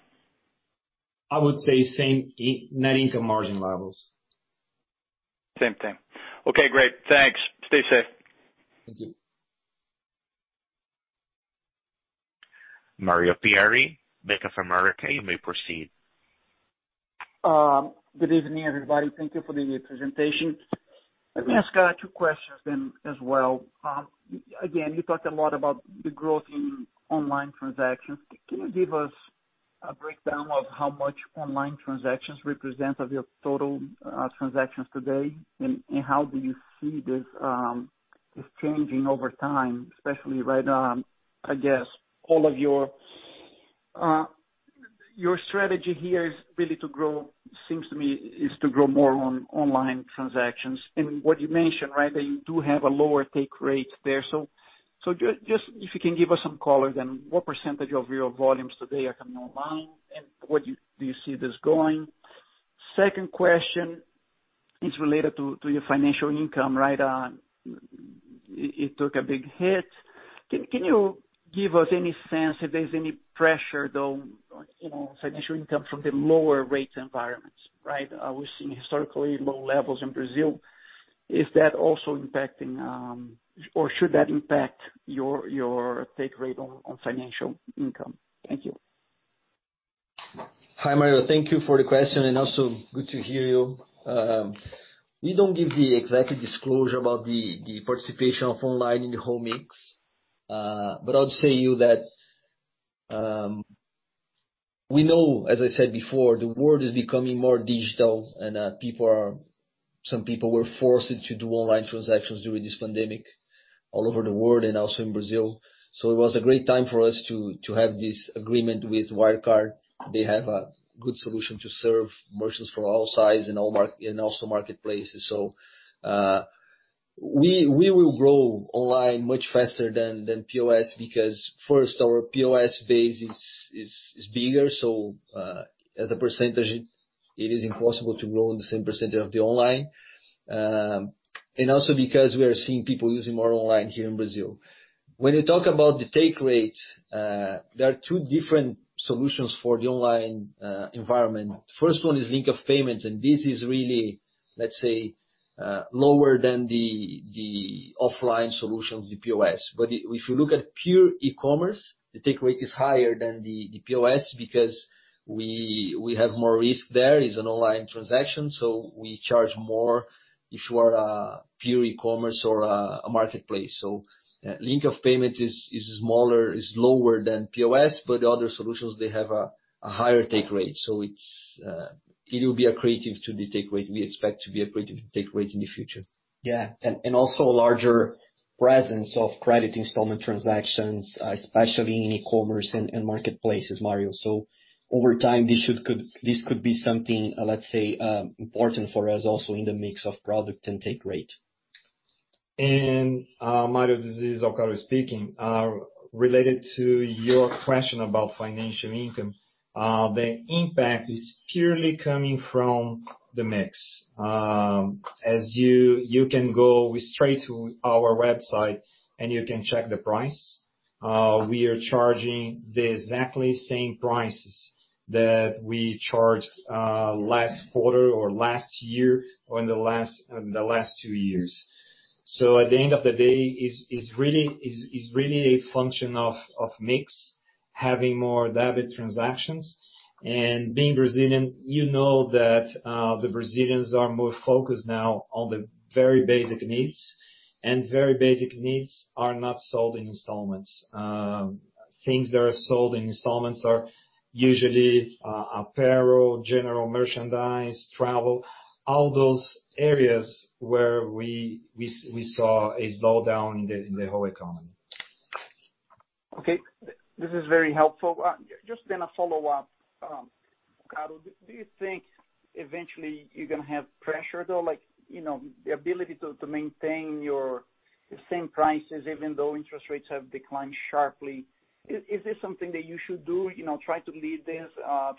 I would say same net income margin levels. Same thing. Okay, great. Thanks. Stay safe. Thank you. Mario Pierry, Bank of America, you may proceed. Good evening, everybody. Thank you for the presentation. Let me ask two questions as well. Again, you talked a lot about the growth in online transactions. Can you give us a breakdown of how much online transactions represent of your total transactions today? And how do you see this changing over time, especially right now. Your strategy here seems to me is to grow more on online transactions. What you mentioned, that you do have a lower take rate there. If you can give us some color then, what percentage of your volumes today are coming online, and where do you see this going? Second question is related to your financial income. It took a big hit. Can you give us any sense if there's any pressure, though, financial income from the lower rate environments? We've seen historically low levels in Brazil. Is that also impacting, or should that impact your take rate on financial income? Thank you. Hi, Mario. Thank you for the question and also good to hear you. We don't give the exact disclosure about the participation of online in the whole mix. I'll tell you that we know, as I said before, the world is becoming more digital and some people were forced to do online transactions during this pandemic all over the world and also in Brazil. It was a great time for us to have this agreement with Wirecard. They have a good solution to serve merchants from all sides and also marketplaces. We will grow online much faster than POS because first our POS base is bigger, so as a percentage, it is impossible to grow in the same percentage of the online. Also because we are seeing people using more online here in Brazil. When you talk about the take rate, there are two different solutions for the online environment. First one is link of payments, and this is really, let's say, lower than the offline solutions, the POS. If you look at pure e-commerce, the take rate is higher than the POS because we have more risk there. It's an online transaction, we charge more if you are a pure e-commerce or a marketplace. Link of payments is lower than POS, but the other solutions, they have a higher take rate. We expect to be accretive take rate in the future. Yeah, and also a larger presence of credit installment transactions, especially in e-commerce and marketplaces, Mario. Over time, this could be something, let's say, important for us also in the mix of product and take rate. Mario, this is Alcaro speaking. Related to your question about financial income, the impact is purely coming from the mix. As you can go straight to our website and you can check the price. We are charging the exactly same prices that we charged last quarter or last year or in the last two years. At the end of the day, it's really a function of mix, having more debit transactions. Being Brazilian, you know that the Brazilians are more focused now on the very basic needs, and very basic needs are not sold in installments. Things that are sold in installments are usually apparel, general merchandise, travel, all those areas where we saw a slowdown in the whole economy. Okay. This is very helpful. Just a follow-up. Ricardo, do you think eventually you're going to have pressure, though, the ability to maintain your same prices even though interest rates have declined sharply? Is this something that you should do, try to lead this,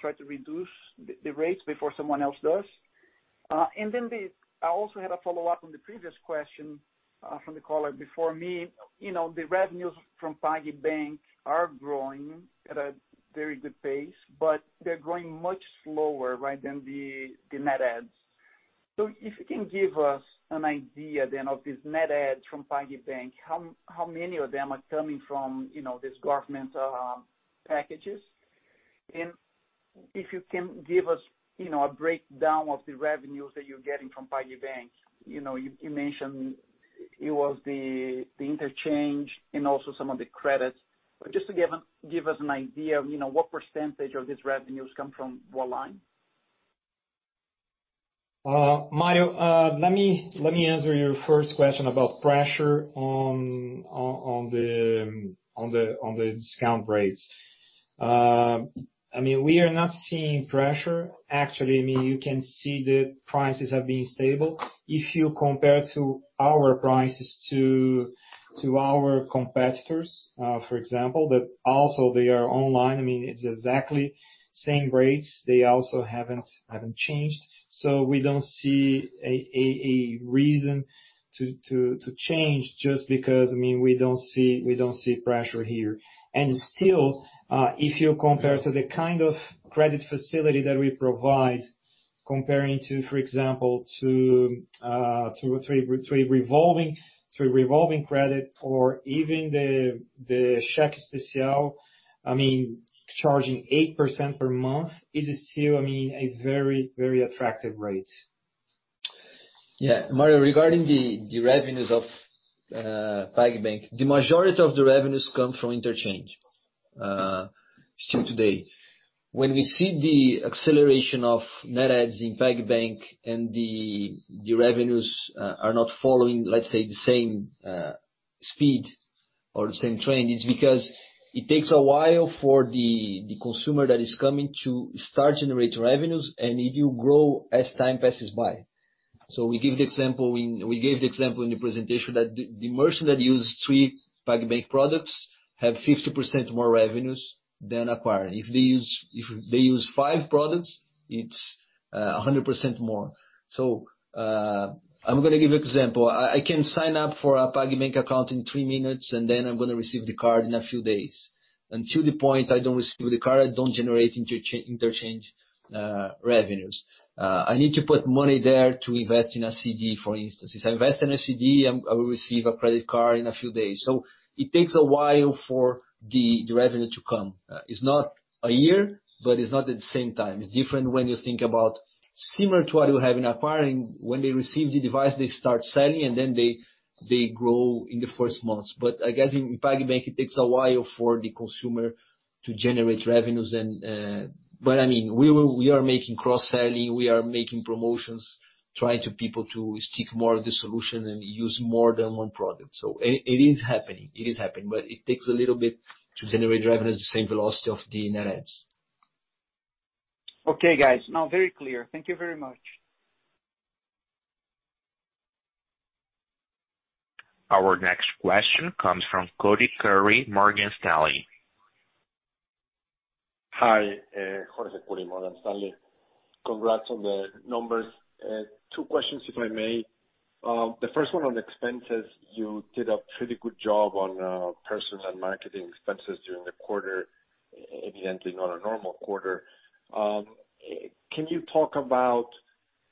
try to reduce the rates before someone else does? I also had a follow-up on the previous question from the caller before me. The revenues from PagBank are growing at a very good pace, but they're growing much slower than the net adds. If you can give us an idea then of these net adds from PagBank, how many of them are coming from these government packages? If you can give us a breakdown of the revenues that you're getting from PagBank. You mentioned it was the interchange and also some of the credits. Just to give us an idea of what percentage of these revenues come from online? Mario, let me answer your first question about pressure on the discount rates. We are not seeing pressure. Actually, you can see the prices have been stable. If you compare to our prices to our competitors, for example, but also they are online, it's exactly same rates. They also haven't changed. We don't see a reason to change just because we don't see pressure here. Still, if you compare to the kind of credit facility that we provide, comparing to, for example, to a revolving credit or even the cheque especial, charging 8% per month is still a very attractive rate. Yeah, Mario, regarding the revenues of PagBank, the majority of the revenues come from interchange, still today. When we see the acceleration of net adds in PagBank and the revenues are not following, let's say, the same speed or the same trend, it's because it takes a while for the consumer that is coming to start generate revenues, and it will grow as time passes by. We gave the example in the presentation that the merchant that use three PagBank products have 50% more revenues than acquiring. If they use five products, it's 100% more. I'm gonna give you example. I can sign up for a PagBank account in three minutes, and then I'm gonna receive the card in a few days. Until the point I don't receive the card, I don't generate interchange revenues. I need to put money there to invest in a CD, for instance. If I invest in a CD, I will receive a credit card in a few days. It takes a while for the revenue to come. It's not a year, but it's not at the same time. It's different when you think about similar to what you have in acquiring. When they receive the device, they start selling, and then they grow in the first months. I guess in PagBank, it takes a while for the consumer to generate revenues, and we are making cross-selling. We are making promotions, trying people to seek more of the solution and use more than one product. It is happening. It is happening, but it takes a little bit to generate revenue at the same velocity of the net adds. Okay, guys. Now very clear. Thank you very much. Our next question comes from Jorge Kuri, Morgan Stanley. Hi, Jorge Kuri, Morgan Stanley. Congrats on the numbers. Two questions, if I may. The first one on expenses. You did a pretty good job on personnel and marketing expenses during the quarter, evidently not a normal quarter. Can you talk about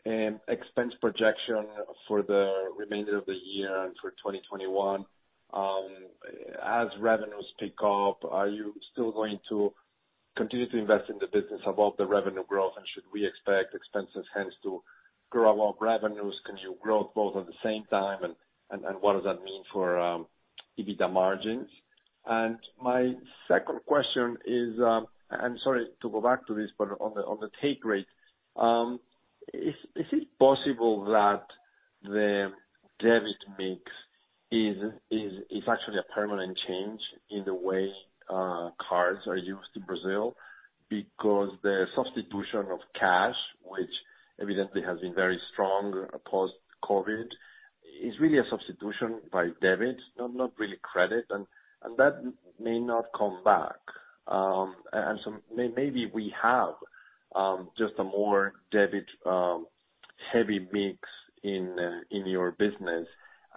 an expense projection for the remainder of the year and for 2021? As revenues pick up, are you still going to continue to invest in the business above the revenue growth? Should we expect expenses hence to grow above revenues? Can you grow both at the same time? What does that mean for EBITDA margins? My second question is, I'm sorry to go back to this, but on the take rate. Is it possible that the debit mix is actually a permanent change in the way cards are used in Brazil? Because the substitution of cash, which evidently has been very strong post-COVID, is really a substitution by debit, not really credit, and that may not come back. Maybe we have just a more debit heavy mix in your business,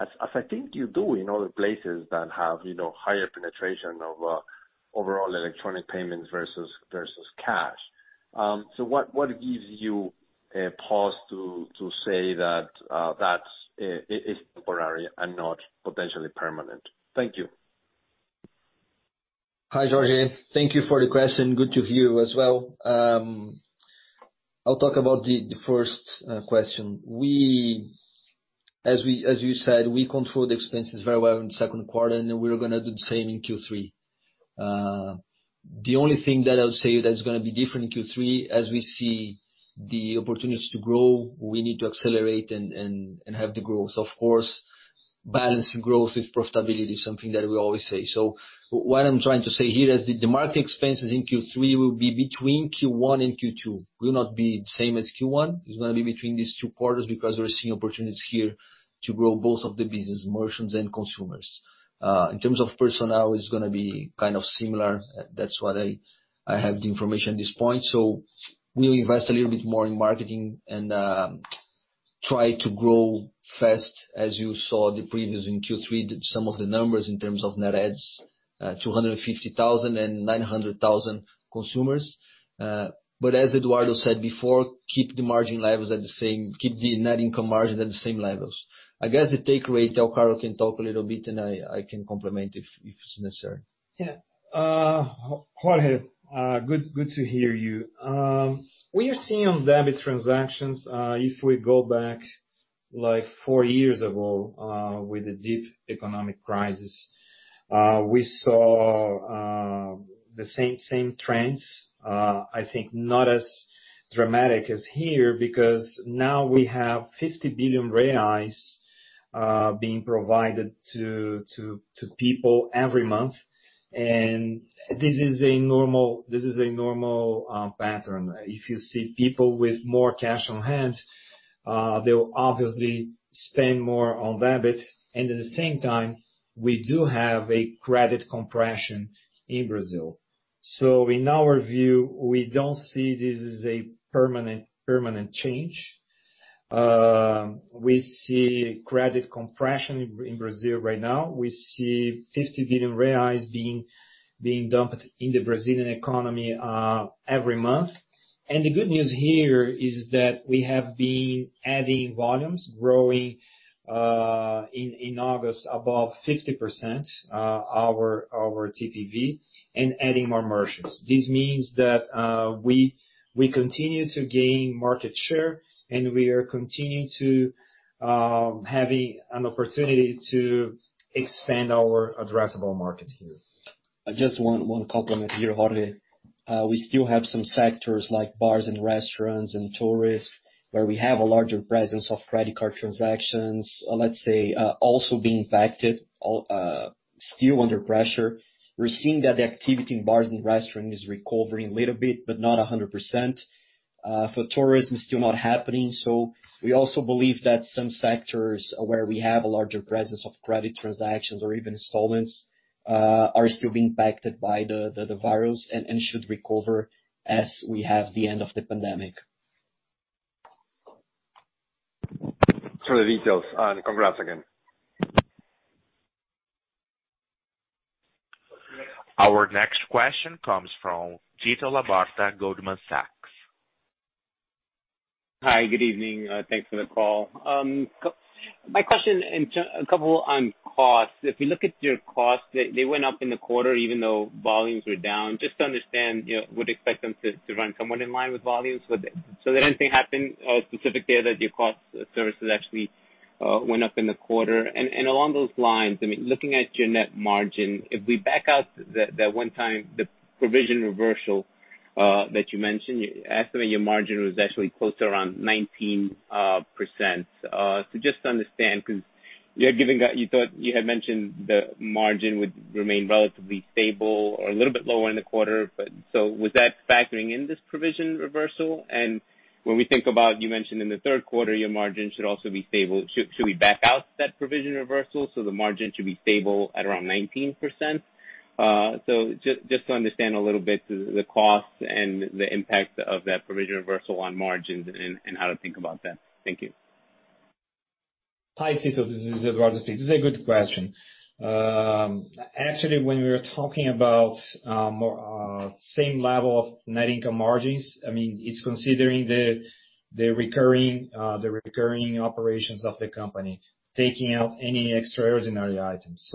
as I think you do in other places that have higher penetration of overall electronic payments versus cash. What gives you a pause to say that it is temporary and not potentially permanent? Thank you. Hi, Jorge. Thank you for the question. Good to hear you as well. I'll talk about the first question. As you said, we control the expenses very well in the second quarter, and we're gonna do the same in Q3. The only thing that I would say that is gonna be different in Q3, as we see the opportunities to grow, we need to accelerate and have the growth. Of course, balancing growth with profitability is something that we always say. What I'm trying to say here is the market expenses in Q3 will be between Q1 and Q2, will not be the same as Q1. It's gonna be between these two quarters because we are seeing opportunities here to grow both of the business, merchants and consumers. In terms of personnel, it's gonna be kind of similar. That's what I have the information at this point. We'll invest a little bit more in marketing and try to grow fast. As you saw the previous in Q3, some of the numbers in terms of net adds, 250,000 and 900,000 consumers. As Eduardo said before, keep the margin levels at the same, keep the net income margin at the same levels. I guess the take rate, Alcaro can talk a little bit and I can complement if necessary. Yeah. Jorge, good to hear you. We are seeing on debit transactions, if we go back like four years ago, with the deep economic crisis. We saw the same trends. I think not as dramatic as here, because now we have 50 billion reais being provided to people every month, and this is a normal pattern. If you see people with more cash on hand, they'll obviously spend more on debit. At the same time, we do have a credit compression in Brazil. In our view, we don't see this as a permanent change. We see credit compression in Brazil right now. We see 50 billion reais being dumped in the Brazilian economy every month. The good news here is that we have been adding volumes. In August, above 50% our TPV and adding more merchants. This means that we continue to gain market share, and we are continuing to have an opportunity to expand our addressable market here. Just one complement here, Jorge. We still have some sectors like bars and restaurants and tourists, where we have a larger presence of credit card transactions, let's say, also being impacted, still under pressure. We're seeing that the activity in bars and restaurants is recovering a little bit, but not 100%. For tourism, it's still not happening. We also believe that some sectors where we have a larger presence of credit transactions or even installments, are still being impacted by the virus and should recover as we have the end of the pandemic. Thanks for the details and congrats again. Our next question comes from Tito Labarta, Goldman Sachs. Hi, good evening. Thanks for the call. My question, a couple on costs. If you look at your costs, they went up in the quarter even though volumes were down. Just to understand, would expect them to run somewhat in line with volumes. Did anything happen specific there that your cost services actually went up in the quarter? Along those lines, looking at your net margin, if we back out that one time, the provision reversal that you mentioned, estimate your margin was actually closer around 19%. Just to understand, because you had mentioned the margin would remain relatively stable or a little bit lower in the quarter, but was that factoring in this provision reversal? When we think about, you mentioned in the third quarter, your margin should also be stable. Should we back out that provision reversal, so the margin should be stable at around 19%? Just to understand a little bit the cost and the impact of that provision reversal on margins and how to think about that? Thank you. Hi, Tito. This is Eduardo speaking. This is a good question. Actually, when we were talking about same level of net income margins, it's considering the recurring operations of the company, taking out any extraordinary items.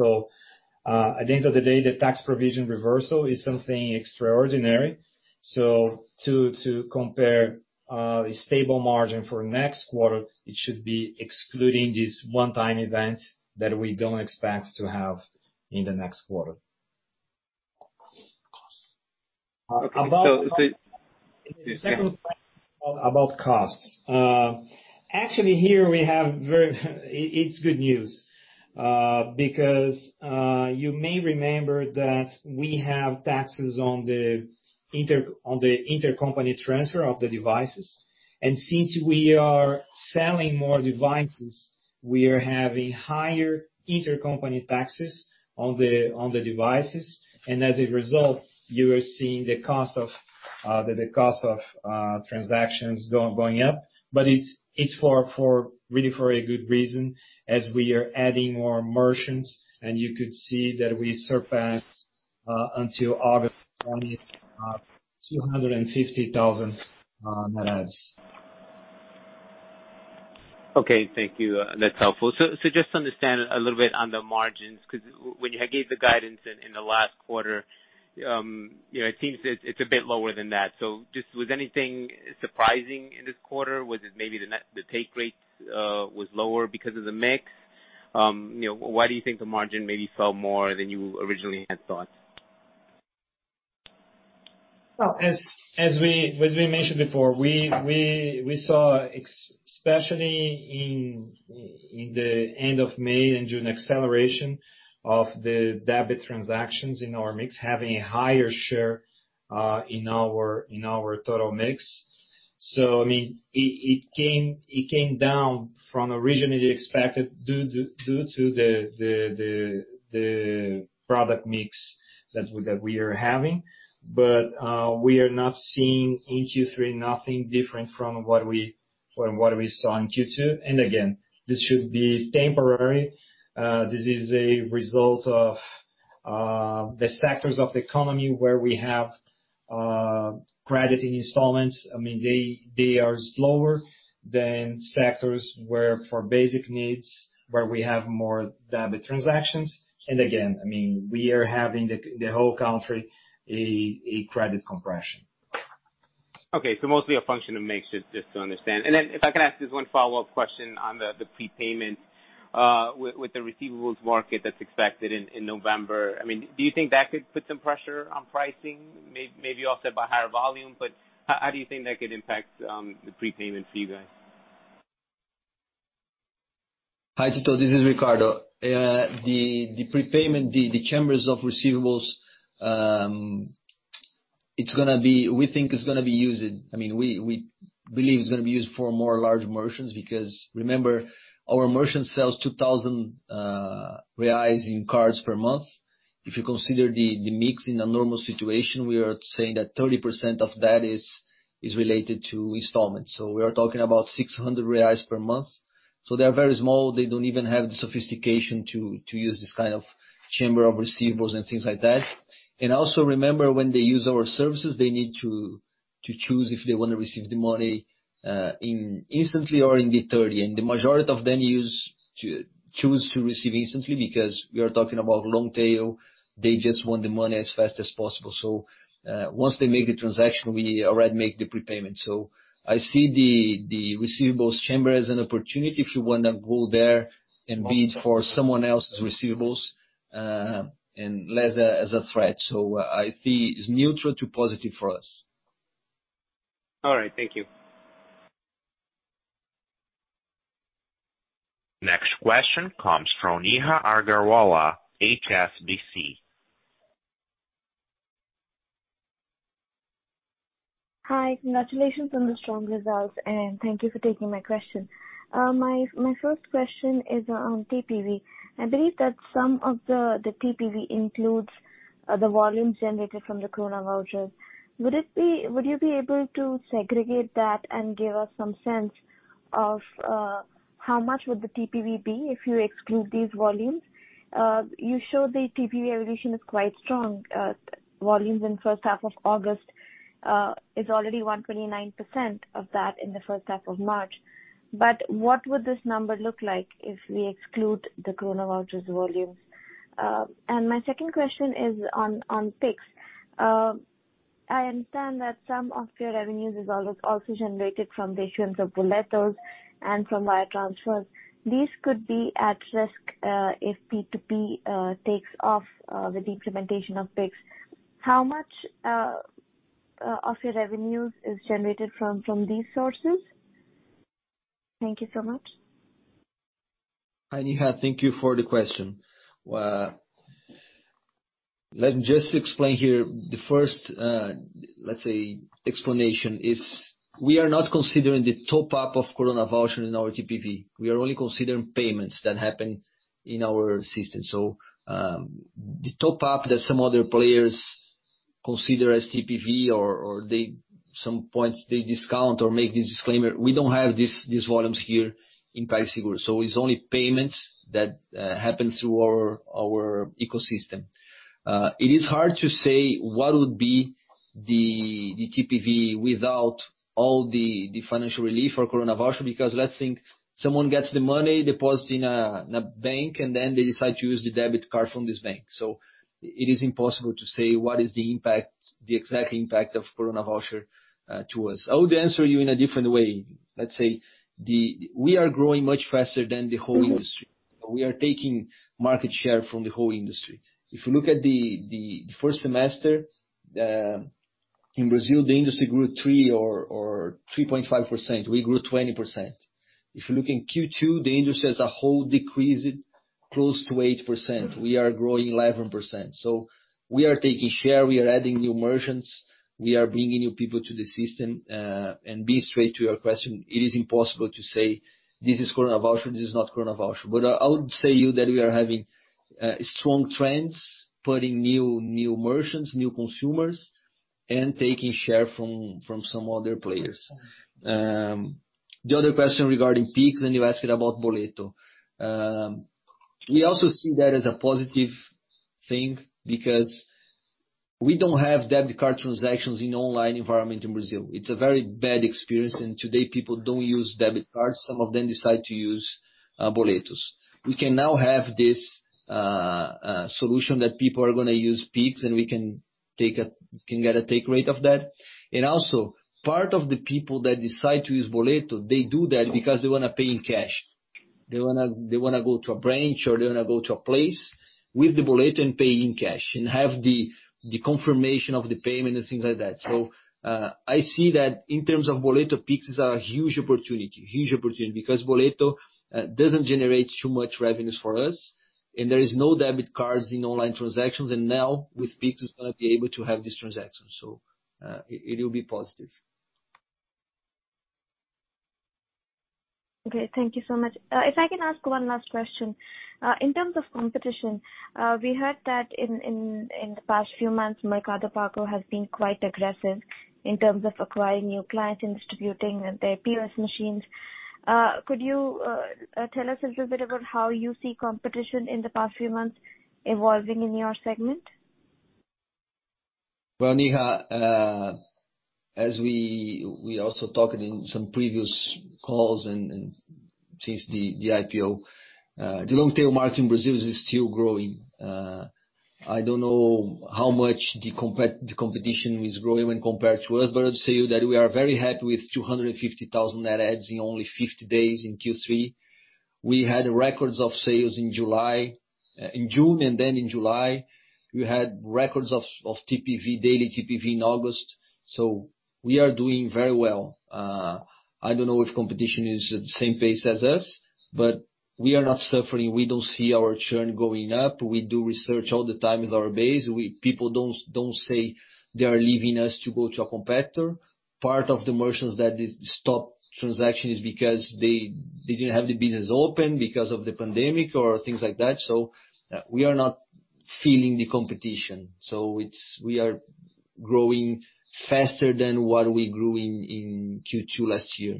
At the end of the day, the tax provision reversal is something extraordinary. To compare a stable margin for next quarter, it should be excluding this one-time event that we don't expect to have in the next quarter. Okay. The second question about costs. Actually, here we have good news. You may remember that we have taxes on the intercompany transfer of the devices. Since we are selling more devices, we are having higher intercompany taxes on the devices. As a result, you are seeing the cost of transactions going up. It's really for a good reason, as we are adding more merchants, and you could see that we surpassed, until August 20th, 250,000 net adds. Okay. Thank you. That's helpful. Just to understand a little bit on the margins, because when you had gave the guidance in the last quarter, it seems it's a bit lower than that. Was anything surprising in this quarter? Was it maybe the take rates was lower because of the mix? Why do you think the margin maybe fell more than you originally had thought? As we mentioned before, we saw especially in the end of May and June, acceleration of the debit transactions in our mix, having a higher share in our total mix. It came down from originally expected due to the product mix that we are having. We are not seeing in Q3 nothing different from what we saw in Q2. This should be temporary. This is a result of the sectors of the economy where we have credit installments. They are slower than sectors where for basic needs, where we have more debit transactions. We are having the whole country a credit compression. Okay. Mostly a function of mix, just to understand. If I can ask just one follow-up question on the prepayment, with the receivables market that's expected in November. Do you think that could put some pressure on pricing, maybe offset by higher volume? How do you think that could impact the prepayment fee then? Hi, Tito, this is Ricardo. The prepayment, the chambers of receivables, we believe it's going to be used for more large merchants, because remember, our merchant sells 2,000 reais in cards per month. If you consider the mix in a normal situation, we are saying that 30% of that is related to installments. We are talking about 600 reais per month. They are very small. They don't even have the sophistication to use this kind of chamber of receivables and things like that. Also remember when they used our services. They need to choose if they want to receive the money instantly or in D30. The majority of them choose to receive instantly because we are talking about long tail. They just want the money as fast as possible. Once they make the transaction, we already make the prepayment. I see the receivables chamber as an opportunity if you want to go there and bid for someone else's receivables, and less as a threat. I see it's neutral to positive for us. All right. Thank you. Next question comes from Neha Agarwala, HSBC. Hi. Congratulations on the strong results, thank you for taking my question. My first question is on TPV. I believe that some of the TPV includes the volumes generated from the corona vouchers. Would you be able to segregate that and give us some sense of how much would the TPV be if you exclude these volumes? You showed the TPV evolution is quite strong. Volumes in first half of August is already 129% of that in the first half of March. What would this number look like if we exclude the corona vouchers volumes? My second question is on Pix. I understand that some of your revenues is also generated from the issuance of boletos and from wire transfers. These could be at risk if P2P takes off with the implementation of Pix. How much of your revenues is generated from these sources? Thank you so much. Hi, Neha. Thank you for the question. Let me just explain here the first, let's say explanation is we are not considering the top-up of corona voucher in our TPV. We are only considering payments that happen in our system. The top-up that some other players consider as TPV or some points they discount or make the disclaimer, we don't have these volumes here in PagSeguro, so it's only payments that happen through our ecosystem. It is hard to say what would be the TPV without all the financial relief for corona voucher, because let's think, someone gets the money, deposits in a bank, and then they decide to use the debit card from this bank. It is impossible to say what is the exact impact of corona voucher to us. I would answer you in a different way. Let's say we are growing much faster than the whole industry. We are taking market share from the whole industry. If you look at the first semester, in Brazil, the industry grew 3% or 3.5%. We grew 20%. If you look in Q2, the industry as a whole decreased close to 8%. We are growing 11%. We are taking share, we are adding new merchants, we are bringing new people to the system. Be straight to your question, it is impossible to say this is corona voucher, this is not corona voucher. I would say to you that we are having strong trends, putting new merchants, new consumers, and taking share from some other players. The other question regarding Pix, and you asked about boleto. We also see that as a positive thing because we don't have debit card transactions in online environment in Brazil. It's a very bad experience. Today people don't use debit cards. Some of them decide to use boletos. We can now have this solution that people are gonna use Pix and we can get a take rate of that. Also, part of the people that decide to use boleto, they do that because they want to pay in cash. They want to go to a branch, or they want to go to a place with the boleto and pay in cash and have the confirmation of the payment and things like that. I see that in terms of boleto, Pix is a huge opportunity. Boleto doesn't generate too much revenues for us and there is no debit cards in online transactions, and now with Pix, it's going to be able to have these transactions. It will be positive. Okay. Thank you so much. If I can ask one last question. In terms of competition, we heard that in the past few months, Mercado Pago has been quite aggressive in terms of acquiring new clients and distributing their POS machines. Could you tell us a little bit about how you see competition in the past few months evolving in your segment? Neha, as we also talked in some previous calls and since the IPO, the long-tail market in Brazil is still growing. I don't know how much the competition is growing when compared to us, but I'd say that we are very happy with 250,000 net adds in only 50 days in Q3. We had records of sales in June, and then in July, we had records of daily TPV in August, we are doing very well. I don't know if competition is at the same pace as us, but we are not suffering. We don't see our churn going up. We do research all the time with our base. People don't say they are leaving us to go to a competitor. Part of the merchants that stop transaction is because they didn't have the business open because of the pandemic or things like that. We are not feeling the competition. We are growing faster than what we grew in Q2 last year.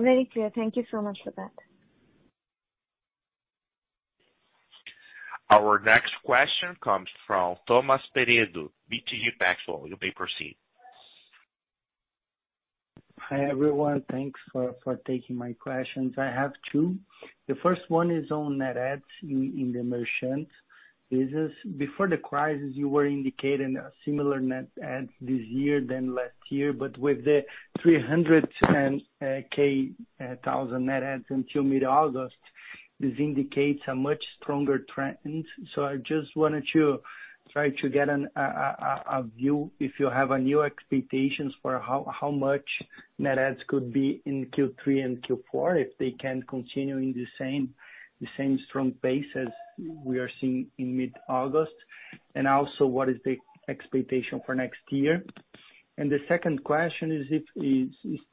Very clear. Thank you so much for that. Our next question comes from Thomas Peredo, BTG Pactual. You may proceed. Hi, everyone. Thanks for taking my questions. I have two. The first one is on net adds in the merchants business. Before the crisis, you were indicating a similar net adds this year than last year, but with the 300,000 net adds until mid-August, this indicates a much stronger trend. I just wanted to try to get a view if you have new expectations for how much net adds could be in Q3 and Q4, if they can continue in the same strong pace as we are seeing in mid-August. Also, what is the expectation for next year? The second question is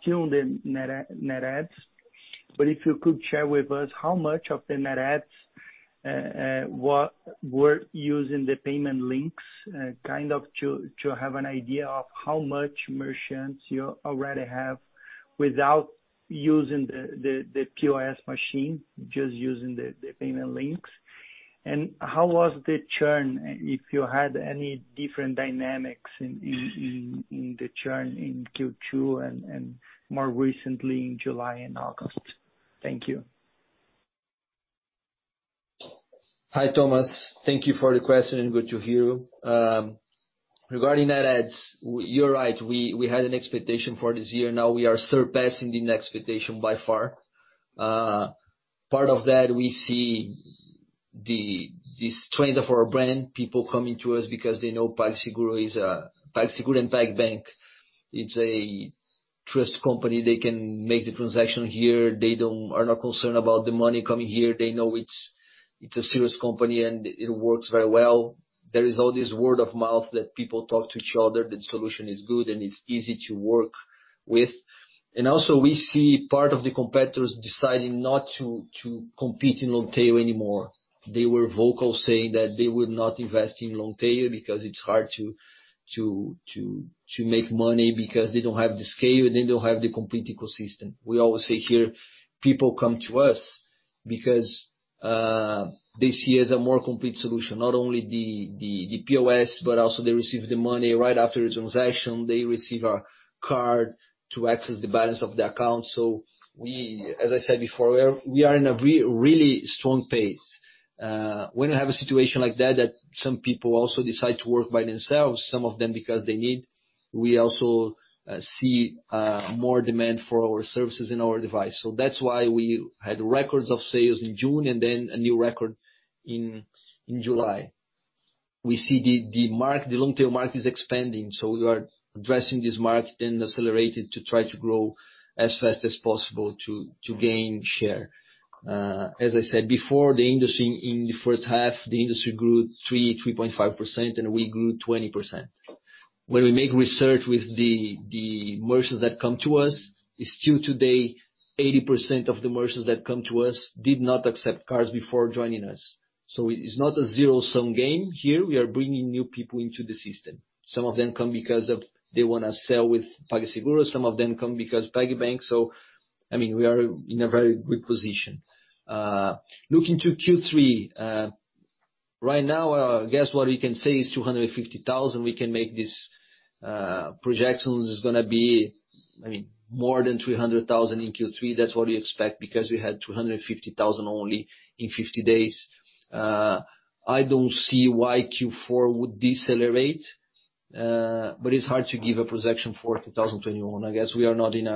still on the net adds, but if you could share with us how much of the net adds were using the payment links, to have an idea of how much merchants you already have without using the POS machine, just using the payment links. How was the churn, if you had any different dynamics in the churn in Q2 and more recently in July and August? Thank you. Hi, Thomas. Thank you for the question, and good to hear you. Regarding net adds, you're right. We had an expectation for this year. Now we are surpassing the expectation by far. Part of that, we see this trend for our brand, people coming to us because they know PagSeguro and PagBank it's a trust company. They can make the transaction here. They are not concerned about the money coming here. They know it's a serious company, and it works very well. There is all this word of mouth that people talk to each other, that the solution is good, and it's easy to work with. Also, we see part of the competitors deciding not to compete in long tail anymore. They were vocal saying that they would not invest in long tail because it is hard to make money because they do not have the scale, and they do not have the complete ecosystem. We always say here, people come to us because they see us a more complete solution. Not only the POS, but also they receive the money right after the transaction. They receive a card to access the balance of the account. As I said before, we are in a really strong pace. When you have a situation like that some people also decide to work by themselves, some of them because they need. We also see more demand for our services and our device. That is why we had records of sales in June and then a new record in July. We see the long tail market is expanding. We are addressing this market and accelerating to try to grow as fast as possible to gain share. As I said before, in the first half, the industry grew 3.5%. We grew 20%. When we make research with the merchants that come to us, still today, 80% of the merchants that come to us did not accept cards before joining us. It's not a zero-sum game here. We are bringing new people into the system. Some of them come because they want to sell with PagSeguro, some of them come because PagBank. We are in a very good position. Looking to Q3, right now, I guess what we can say is 250,000. We can make these projections. It's going to be more than 300,000 in Q3. That's what we expect because we had 250,000 only in 50 days. I don't see why Q4 would decelerate, but it's hard to give a projection for 2021. I guess we are not in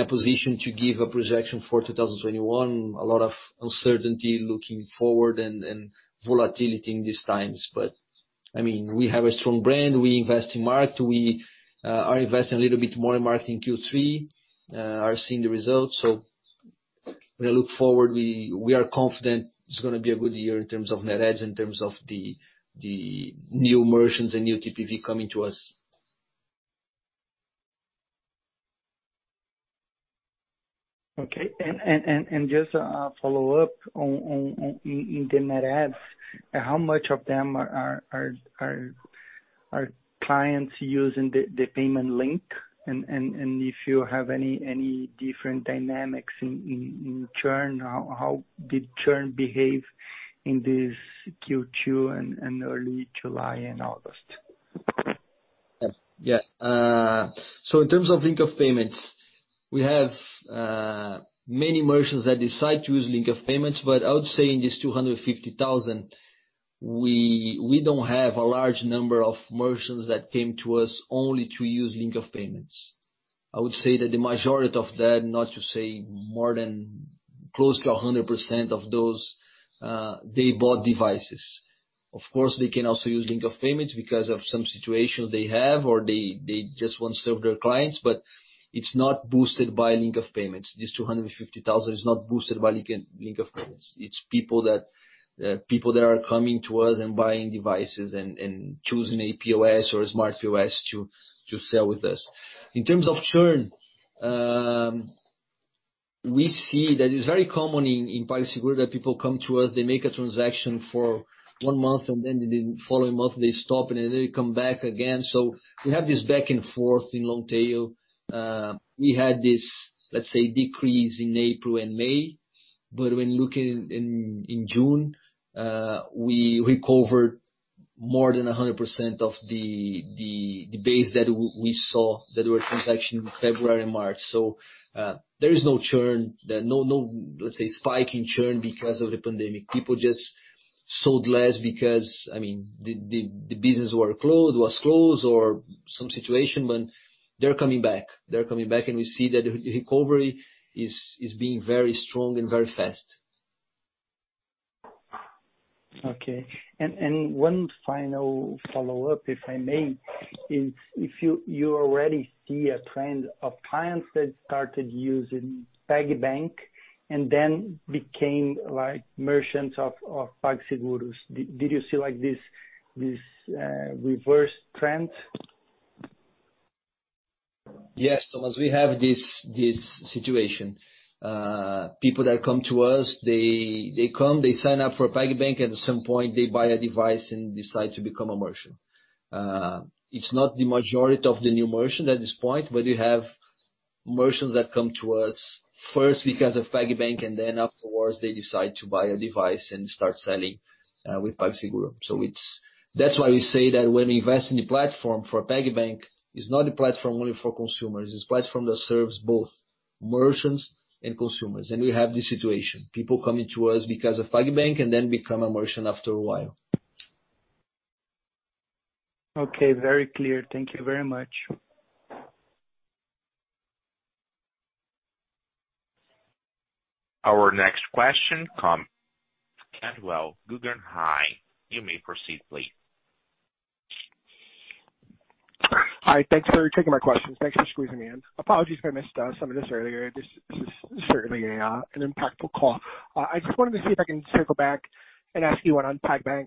a position to give a projection for 2021. A lot of uncertainty looking forward and volatility in these times. We have a strong brand. We invest in market. We are investing a little bit more in market in Q3, are seeing the results. When I look forward, we are confident it's going to be a good year in terms of net adds, in terms of the new merchants and new TPV coming to us. Okay. Just a follow-up on the net adds. How much of them are clients using the payment link? If you have any different dynamics in churn, how did churn behave in this Q2 and early July and August? Yeah. In terms of link of payments, we have many merchants that decide to use link of payments, but I would say in this 250,000, we don't have a large number of merchants that came to us only to use link of payments. I would say that the majority of that, not to say more than close to 100% of those, they bought devices. Of course, they can also use link of payments because of some situations they have, or they just want to serve their clients, but it's not boosted by link of payments. This 250,000 is not boosted by link of payments. It's people that are coming to us and buying devices and choosing a POS or a smart POS to sell with us. In terms of churn. We see that it's very common in PagSeguro that people come to us, they make a transaction for one month, and then the following month they stop, and then they come back again. We have this back and forth in long tail. We had this, let's say, decrease in April and May, but when looking in June, we recovered more than 100% of the base that we saw that were transaction in February and March. There is no churn. No, let's say, spike in churn because of the pandemic. People just sold less because the business was closed or some situation, but they're coming back. They're coming back. We see that the recovery is being very strong and very fast. Okay. One final follow-up, if I may, is if you already see a trend of clients that started using PagBank and then became merchants of PagSeguro. Did you see this reverse trend? Yes, Thomas, we have this situation. People that come to us, they come, they sign up for PagBank, at some point, they buy a device and decide to become a merchant. It's not the majority of the new merchants at this point, but we have merchants that come to us first because of PagBank and then afterwards they decide to buy a device and start selling with PagSeguro. That's why we say that when we invest in the platform for PagBank, it's not a platform only for consumers. It's a platform that serves both merchants and consumers. We have this situation, people coming to us because of PagBank and then become a merchant after a while. Okay. Very clear. Thank you very much. Our next question come from Jeff Cantwell, Guggenheim. You may proceed, please. Hi. Thanks for taking my questions. Thanks for squeezing me in. Apologies if I missed some of this earlier. This is certainly an impactful call. I just wanted to see if I can circle back and ask you one on PagBank.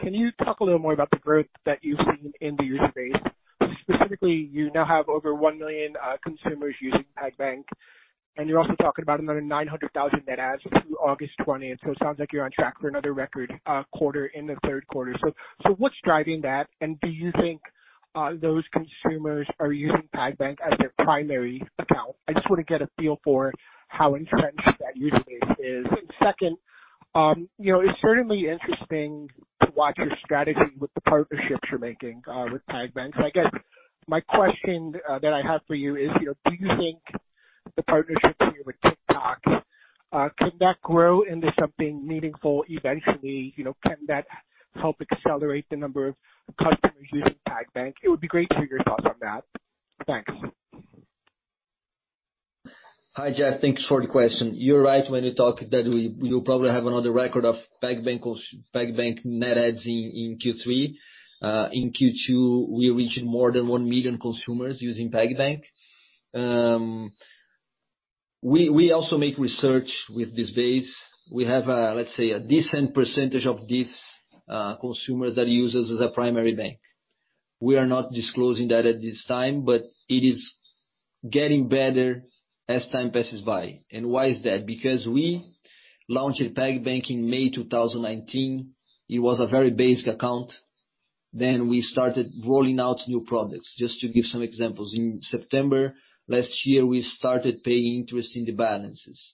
Can you talk a little more about the growth that you've seen in the user base? Specifically, you now have over 1 million consumers using PagBank, and you're also talking about another 900,000 net adds through August 20th. It sounds like you're on track for another record quarter in the third quarter. What's driving that? Do you think those consumers are using PagBank as their primary account? I just want to get a feel for how entrenched that user base is. Second, it's certainly interesting to watch your strategy with the partnerships you're making with PagBank. I guess my question that I have for you is, do you think the partnerships here with TikTok, can that grow into something meaningful eventually? Can that help accelerate the number of customers using PagBank? It would be great to hear your thoughts on that. Thanks. Hi, Jeff. Thanks for the question. You're right when you talk that we will probably have another record of PagBank net adds in Q3. In Q2, we reached more than 1 million consumers using PagBank. We also make research with this base. We have, let's say, a decent percentage of these consumers that use us as a primary bank. It is getting better as time passes by. Why is that? We launched PagBank in May 2019. It was a very basic account. We started rolling out new products. Just to give some examples, in September last year, we started paying interest in the balances.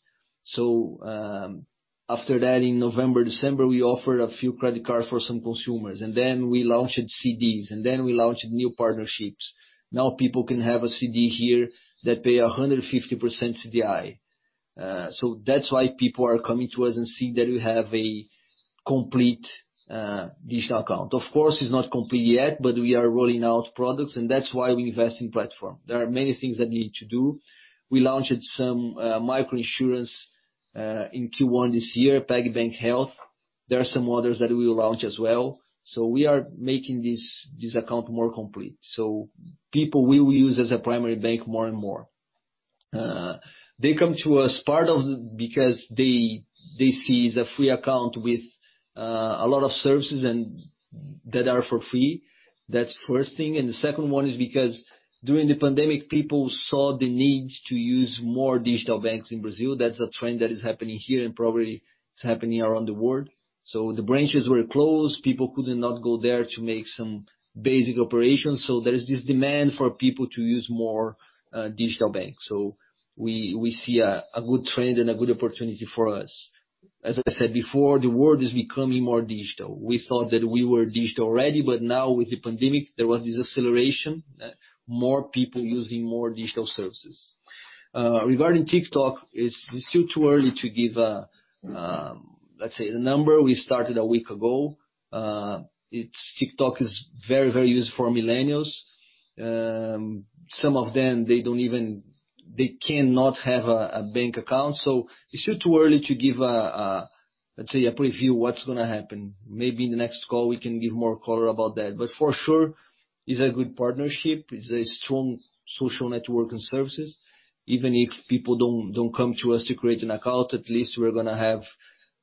After that, in November, December, we offered a few credit cards for some consumers, and then we launched CDs, and then we launched new partnerships. Now people can have a CD here that pay 150% CDI. That's why people are coming to us and see that we have a complete digital account. Of course, it's not complete yet, but we are rolling out products, and that's why we invest in platform. There are many things that we need to do. We launched some micro-insurance in Q1 this year, PagBank Health. There are some others that we will launch as well. We are making this account more complete. People will use as a primary bank more and more. They come to us part of because they see it's a free account with a lot of services, and that are for free. That's first thing. The second one is because during the pandemic, people saw the need to use more digital banks in Brazil. That's a trend that is happening here and probably it's happening around the world. The branches were closed. People could not go there to make some basic operations. There is this demand for people to use more digital banks. We see a good trend and a good opportunity for us. As I said before, the world is becoming more digital. We thought that we were digital already, but now with the pandemic, there was this acceleration. More people using more digital services. Regarding TikTok, it's still too early to give, let's say, the number. We started a week ago. TikTok is very used for millennials. Some of them, they cannot have a bank account. It's still too early to give a preview of what's going to happen. Maybe in the next call, we can give more color about that. For sure, it's a good partnership. It's a strong social network and services. Even if people don't come to us to create an account, at least we're going to have,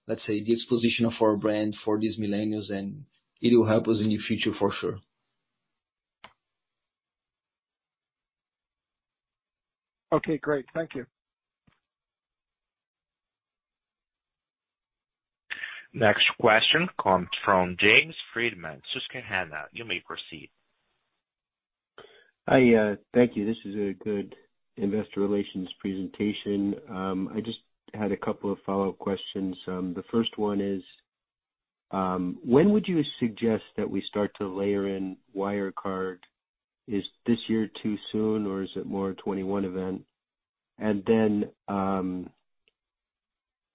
let's say, the exposition of our brand for these millennials, and it will help us in the future for sure. Okay, great. Thank you. Next question comes from James Friedman, Susquehanna. You may proceed. Hi. Thank you. This is a good investor relations presentation. I just had a couple of follow-up questions. The first one is, when would you suggest that we start to layer in Wirecard? Is this year too soon, or is it more a 2021 event?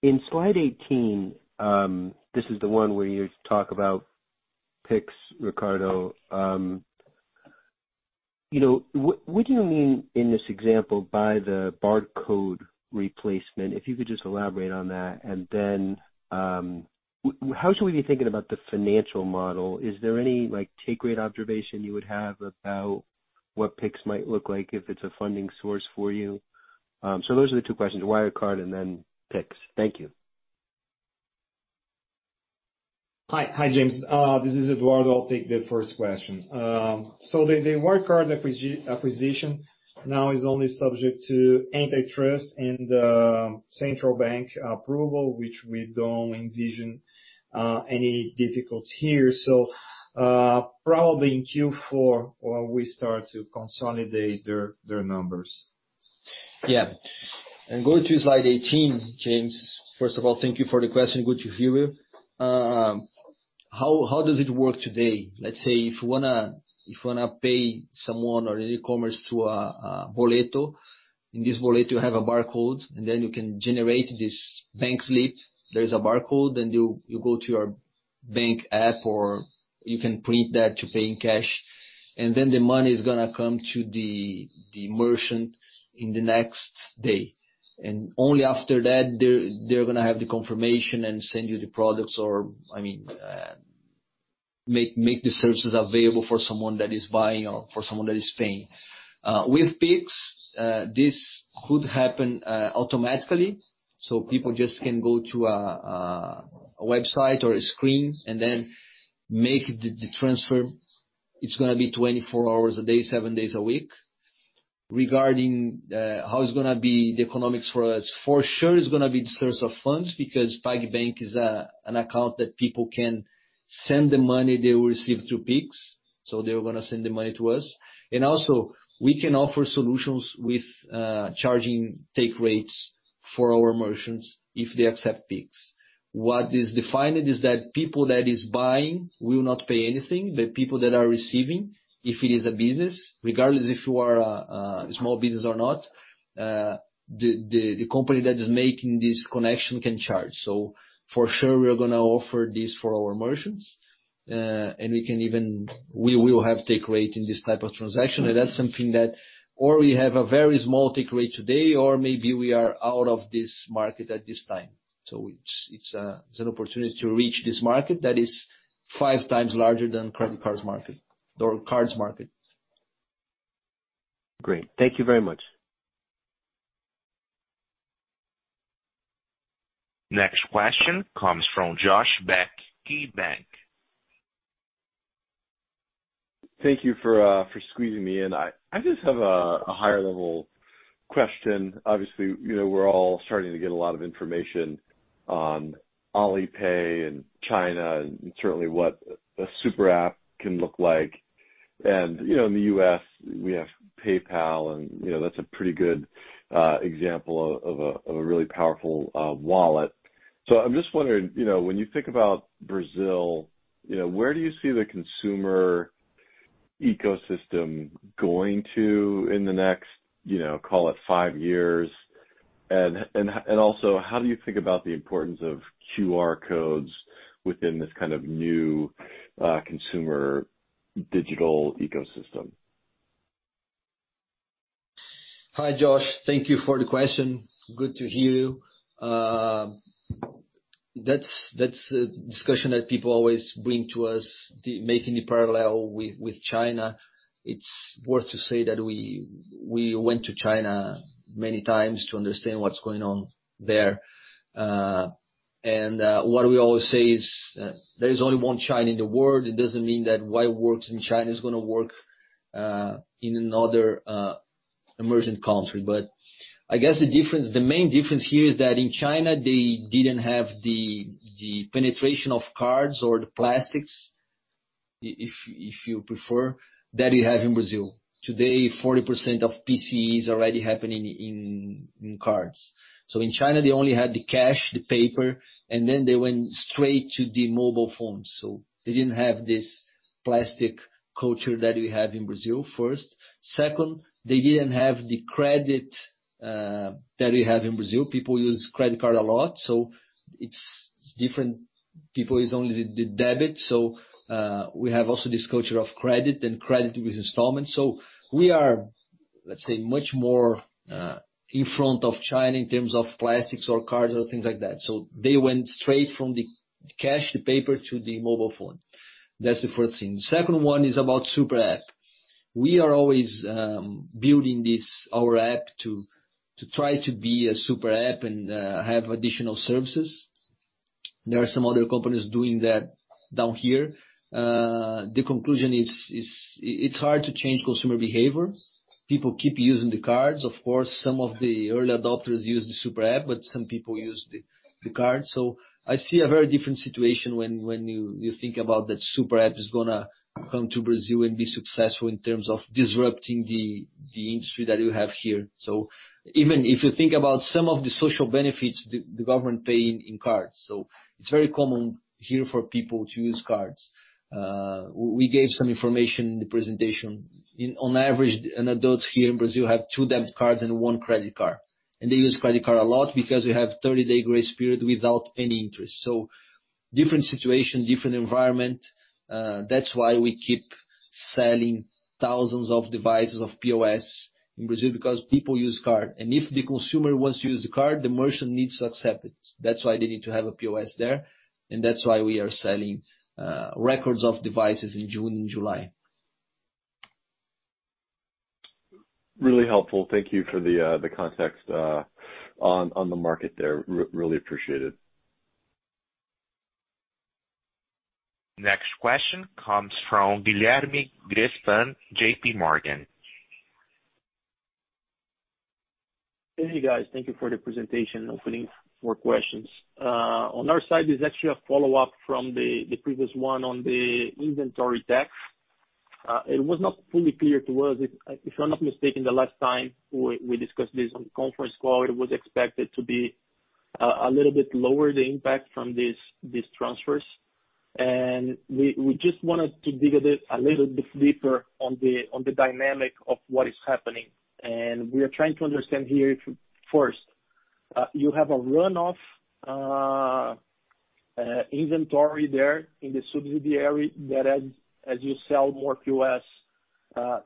In slide 18, this is the one where you talk about Pix, Ricardo. What do you mean in this example by the barcode replacement? If you could just elaborate on that, and then how should we be thinking about the financial model? Is there any take rate observation you would have about what Pix might look like if it's a funding source for you? Those are the two questions, Wirecard and then Pix. Thank you. Hi, James. This is Eduardo. I'll take the first question. The Wirecard acquisition now is only subject to antitrust and Central Bank approval, which we don't envision any difficulties here. Probably in Q4, when we start to consolidate their numbers. Yeah. Going to slide 18, James, first of all, thank you for the question. Good to hear you. How does it work today? Let's say, if you want to pay someone or an e-commerce through a boleto, in this boleto, you have a barcode, and then you can generate this bank slip. There is a barcode, and you go to your bank app, or you can print that to pay in cash, and then the money is going to come to the merchant in the next day. Only after that, they're going to have the confirmation and send you the products or, make the services available for someone that is buying or for someone that is paying. With Pix, this could happen automatically, so people just can go to a website or a screen and then make the transfer. It's gonna be 24 hours a day, seven days a week. Regarding how it's gonna be the economics for us? For sure, it's gonna be the source of funds because PagBank is an account that people can send the money they will receive through Pix. They're gonna send the money to us. Also we can offer solutions with charging take rates for our merchants if they accept Pix. What is defined is that people that is buying will not pay anything. The people that are receiving, if it is a business, regardless if you are a small business or not, the company that is making this connection can charge. For sure, we are gonna offer this for our merchants. We will have take rate in this type of transaction. That's something that or we have a very small take rate today, or maybe we are out of this market at this time. It's an opportunity to reach this market that is 5x larger than credit cards market or cards market. Great. Thank you very much. Next question comes from Josh Beck, KeyBanc. Thank you for squeezing me in. I just have a higher-level question. Obviously, we're all starting to get a lot of information on Alipay and China and certainly what a super app can look like. In the U.S., we have PayPal, and that's a pretty good example of a really powerful wallet. I'm just wondering, when you think about Brazil, where do you see the consumer ecosystem going to in the next, call it five years? Also, how do you think about the importance of QR codes within this kind of new consumer digital ecosystem? Hi, Josh. Thank you for the question. Good to hear you. That's a discussion that people always bring to us, making the parallel with China. It's worth to say that we went to China many times to understand what's going on there. What we always say is there is only one China in the world. It doesn't mean that what works in China is gonna work in another emerging country. I guess the main difference here is that in China, they didn't have the penetration of cards or the plastics, if you prefer, that you have in Brazil. Today, 40% of PCE is already happening in cards. In China, they only had the cash, the paper, and then they went straight to the mobile phone. They didn't have this plastic culture that we have in Brazil, first. They didn't have the credit that we have in Brazil. People use credit card a lot, it's different. People use only the debit. We have also this culture of credit and credit with installments. We are, let's say, much more in front of China in terms of plastics or cards or things like that. They went straight from the cash, the paper, to the mobile phone. That's the first thing. Second one is about super app. We are always building our app to try to be a super app and have additional services. There are some other companies doing that down here. The conclusion is, it's hard to change consumer behavior. People keep using the cards. Of course, some of the early adopters use the super app, but some people use the card. I see a very different situation when you think about that super app is going to come to Brazil and be successful in terms of disrupting the industry that you have here. Even if you think about some of the social benefits, the government paying in cards. It's very common here for people to use cards. We gave some information in the presentation. On average, an adult here in Brazil have two debit cards and one credit card. They use credit card a lot because we have 30-day grace period without any interest. Different situation, different environment. That's why we keep selling thousands of devices of POS in Brazil because people use card. If the consumer wants to use the card, the merchant needs to accept it. That's why they need to have a POS there, and that's why we are selling records of devices in June and July. Really helpful. Thank you for the context on the market there. Really appreciated. Next question comes from Guilherme Grespan, JPMorgan. Hey, guys. Thank you for the presentation, opening for questions. On our side, this is actually a follow-up from the previous one on the inventory tax. It was not fully clear to us. If I'm not mistaken, the last time we discussed this on conference call, it was expected to be a little bit lower the impact from these transfers. We just wanted to dig a little bit deeper on the dynamic of what is happening. We are trying to understand here if, first, you have a runoff inventory there in the subsidiary that as you sell more POS,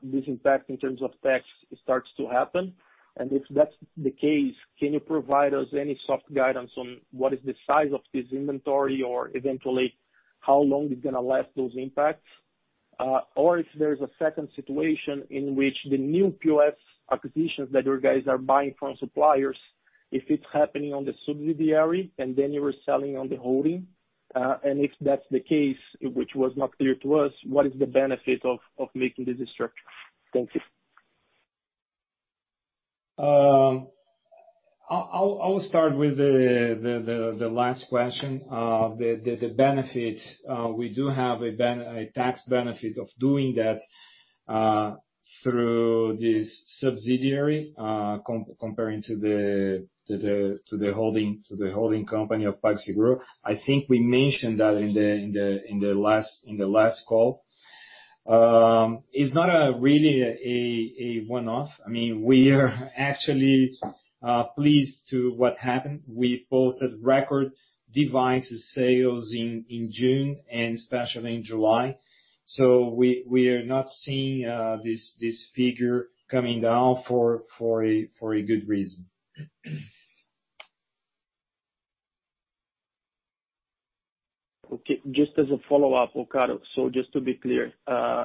this impact in terms of tax starts to happen. If that's the case, can you provide us any soft guidance on what is the size of this inventory or eventually how long it's going to last, those impacts? If there's a second situation in which the new POS acquisitions that you guys are buying from suppliers, if it's happening on the subsidiary and then you are selling on the holding. If that's the case, which was not clear to us, what is the benefit of making this structure? Thank you. I'll start with the last question. The benefit, we do have a tax benefit of doing that through this subsidiary comparing to the holding company of PagSeguro. I think we mentioned that in the last call. It's not really a one-off. We are actually pleased to what happened. We posted record devices sales in June and especially in July. We are not seeing this figure coming down for a good reason. Okay, just as a follow-up, Alcaro. Just to be clear,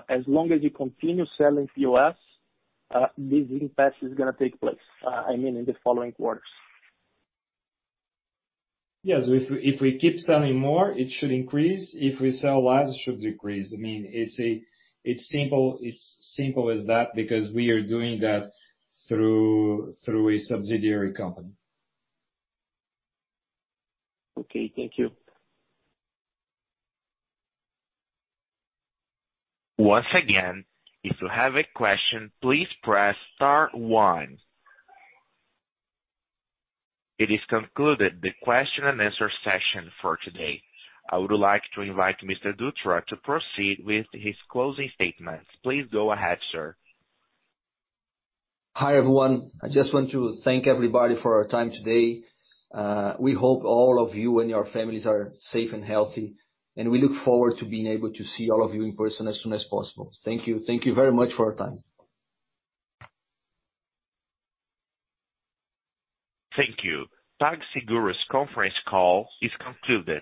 as long as you continue selling POS, this impact is going to take place, I mean, in the following quarters. Yes. If we keep selling more, it should increase. If we sell less, it should decrease. It's simple as that because we are doing that through a subsidiary company. Okay, thank you. Once again, if you have a question, please press star one. It is concluded, the question and answer session for today. I would like to invite Mr. Dutra to proceed with his closing statements. Please go ahead, sir. Hi, everyone. I just want to thank everybody for our time today. We hope all of you and your families are safe and healthy, and we look forward to being able to see all of you in person as soon as possible. Thank you. Thank you very much for our time. Thank you. PagSeguro's conference call is concluded.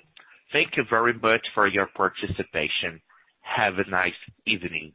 Thank you very much for your participation. Have a nice evening.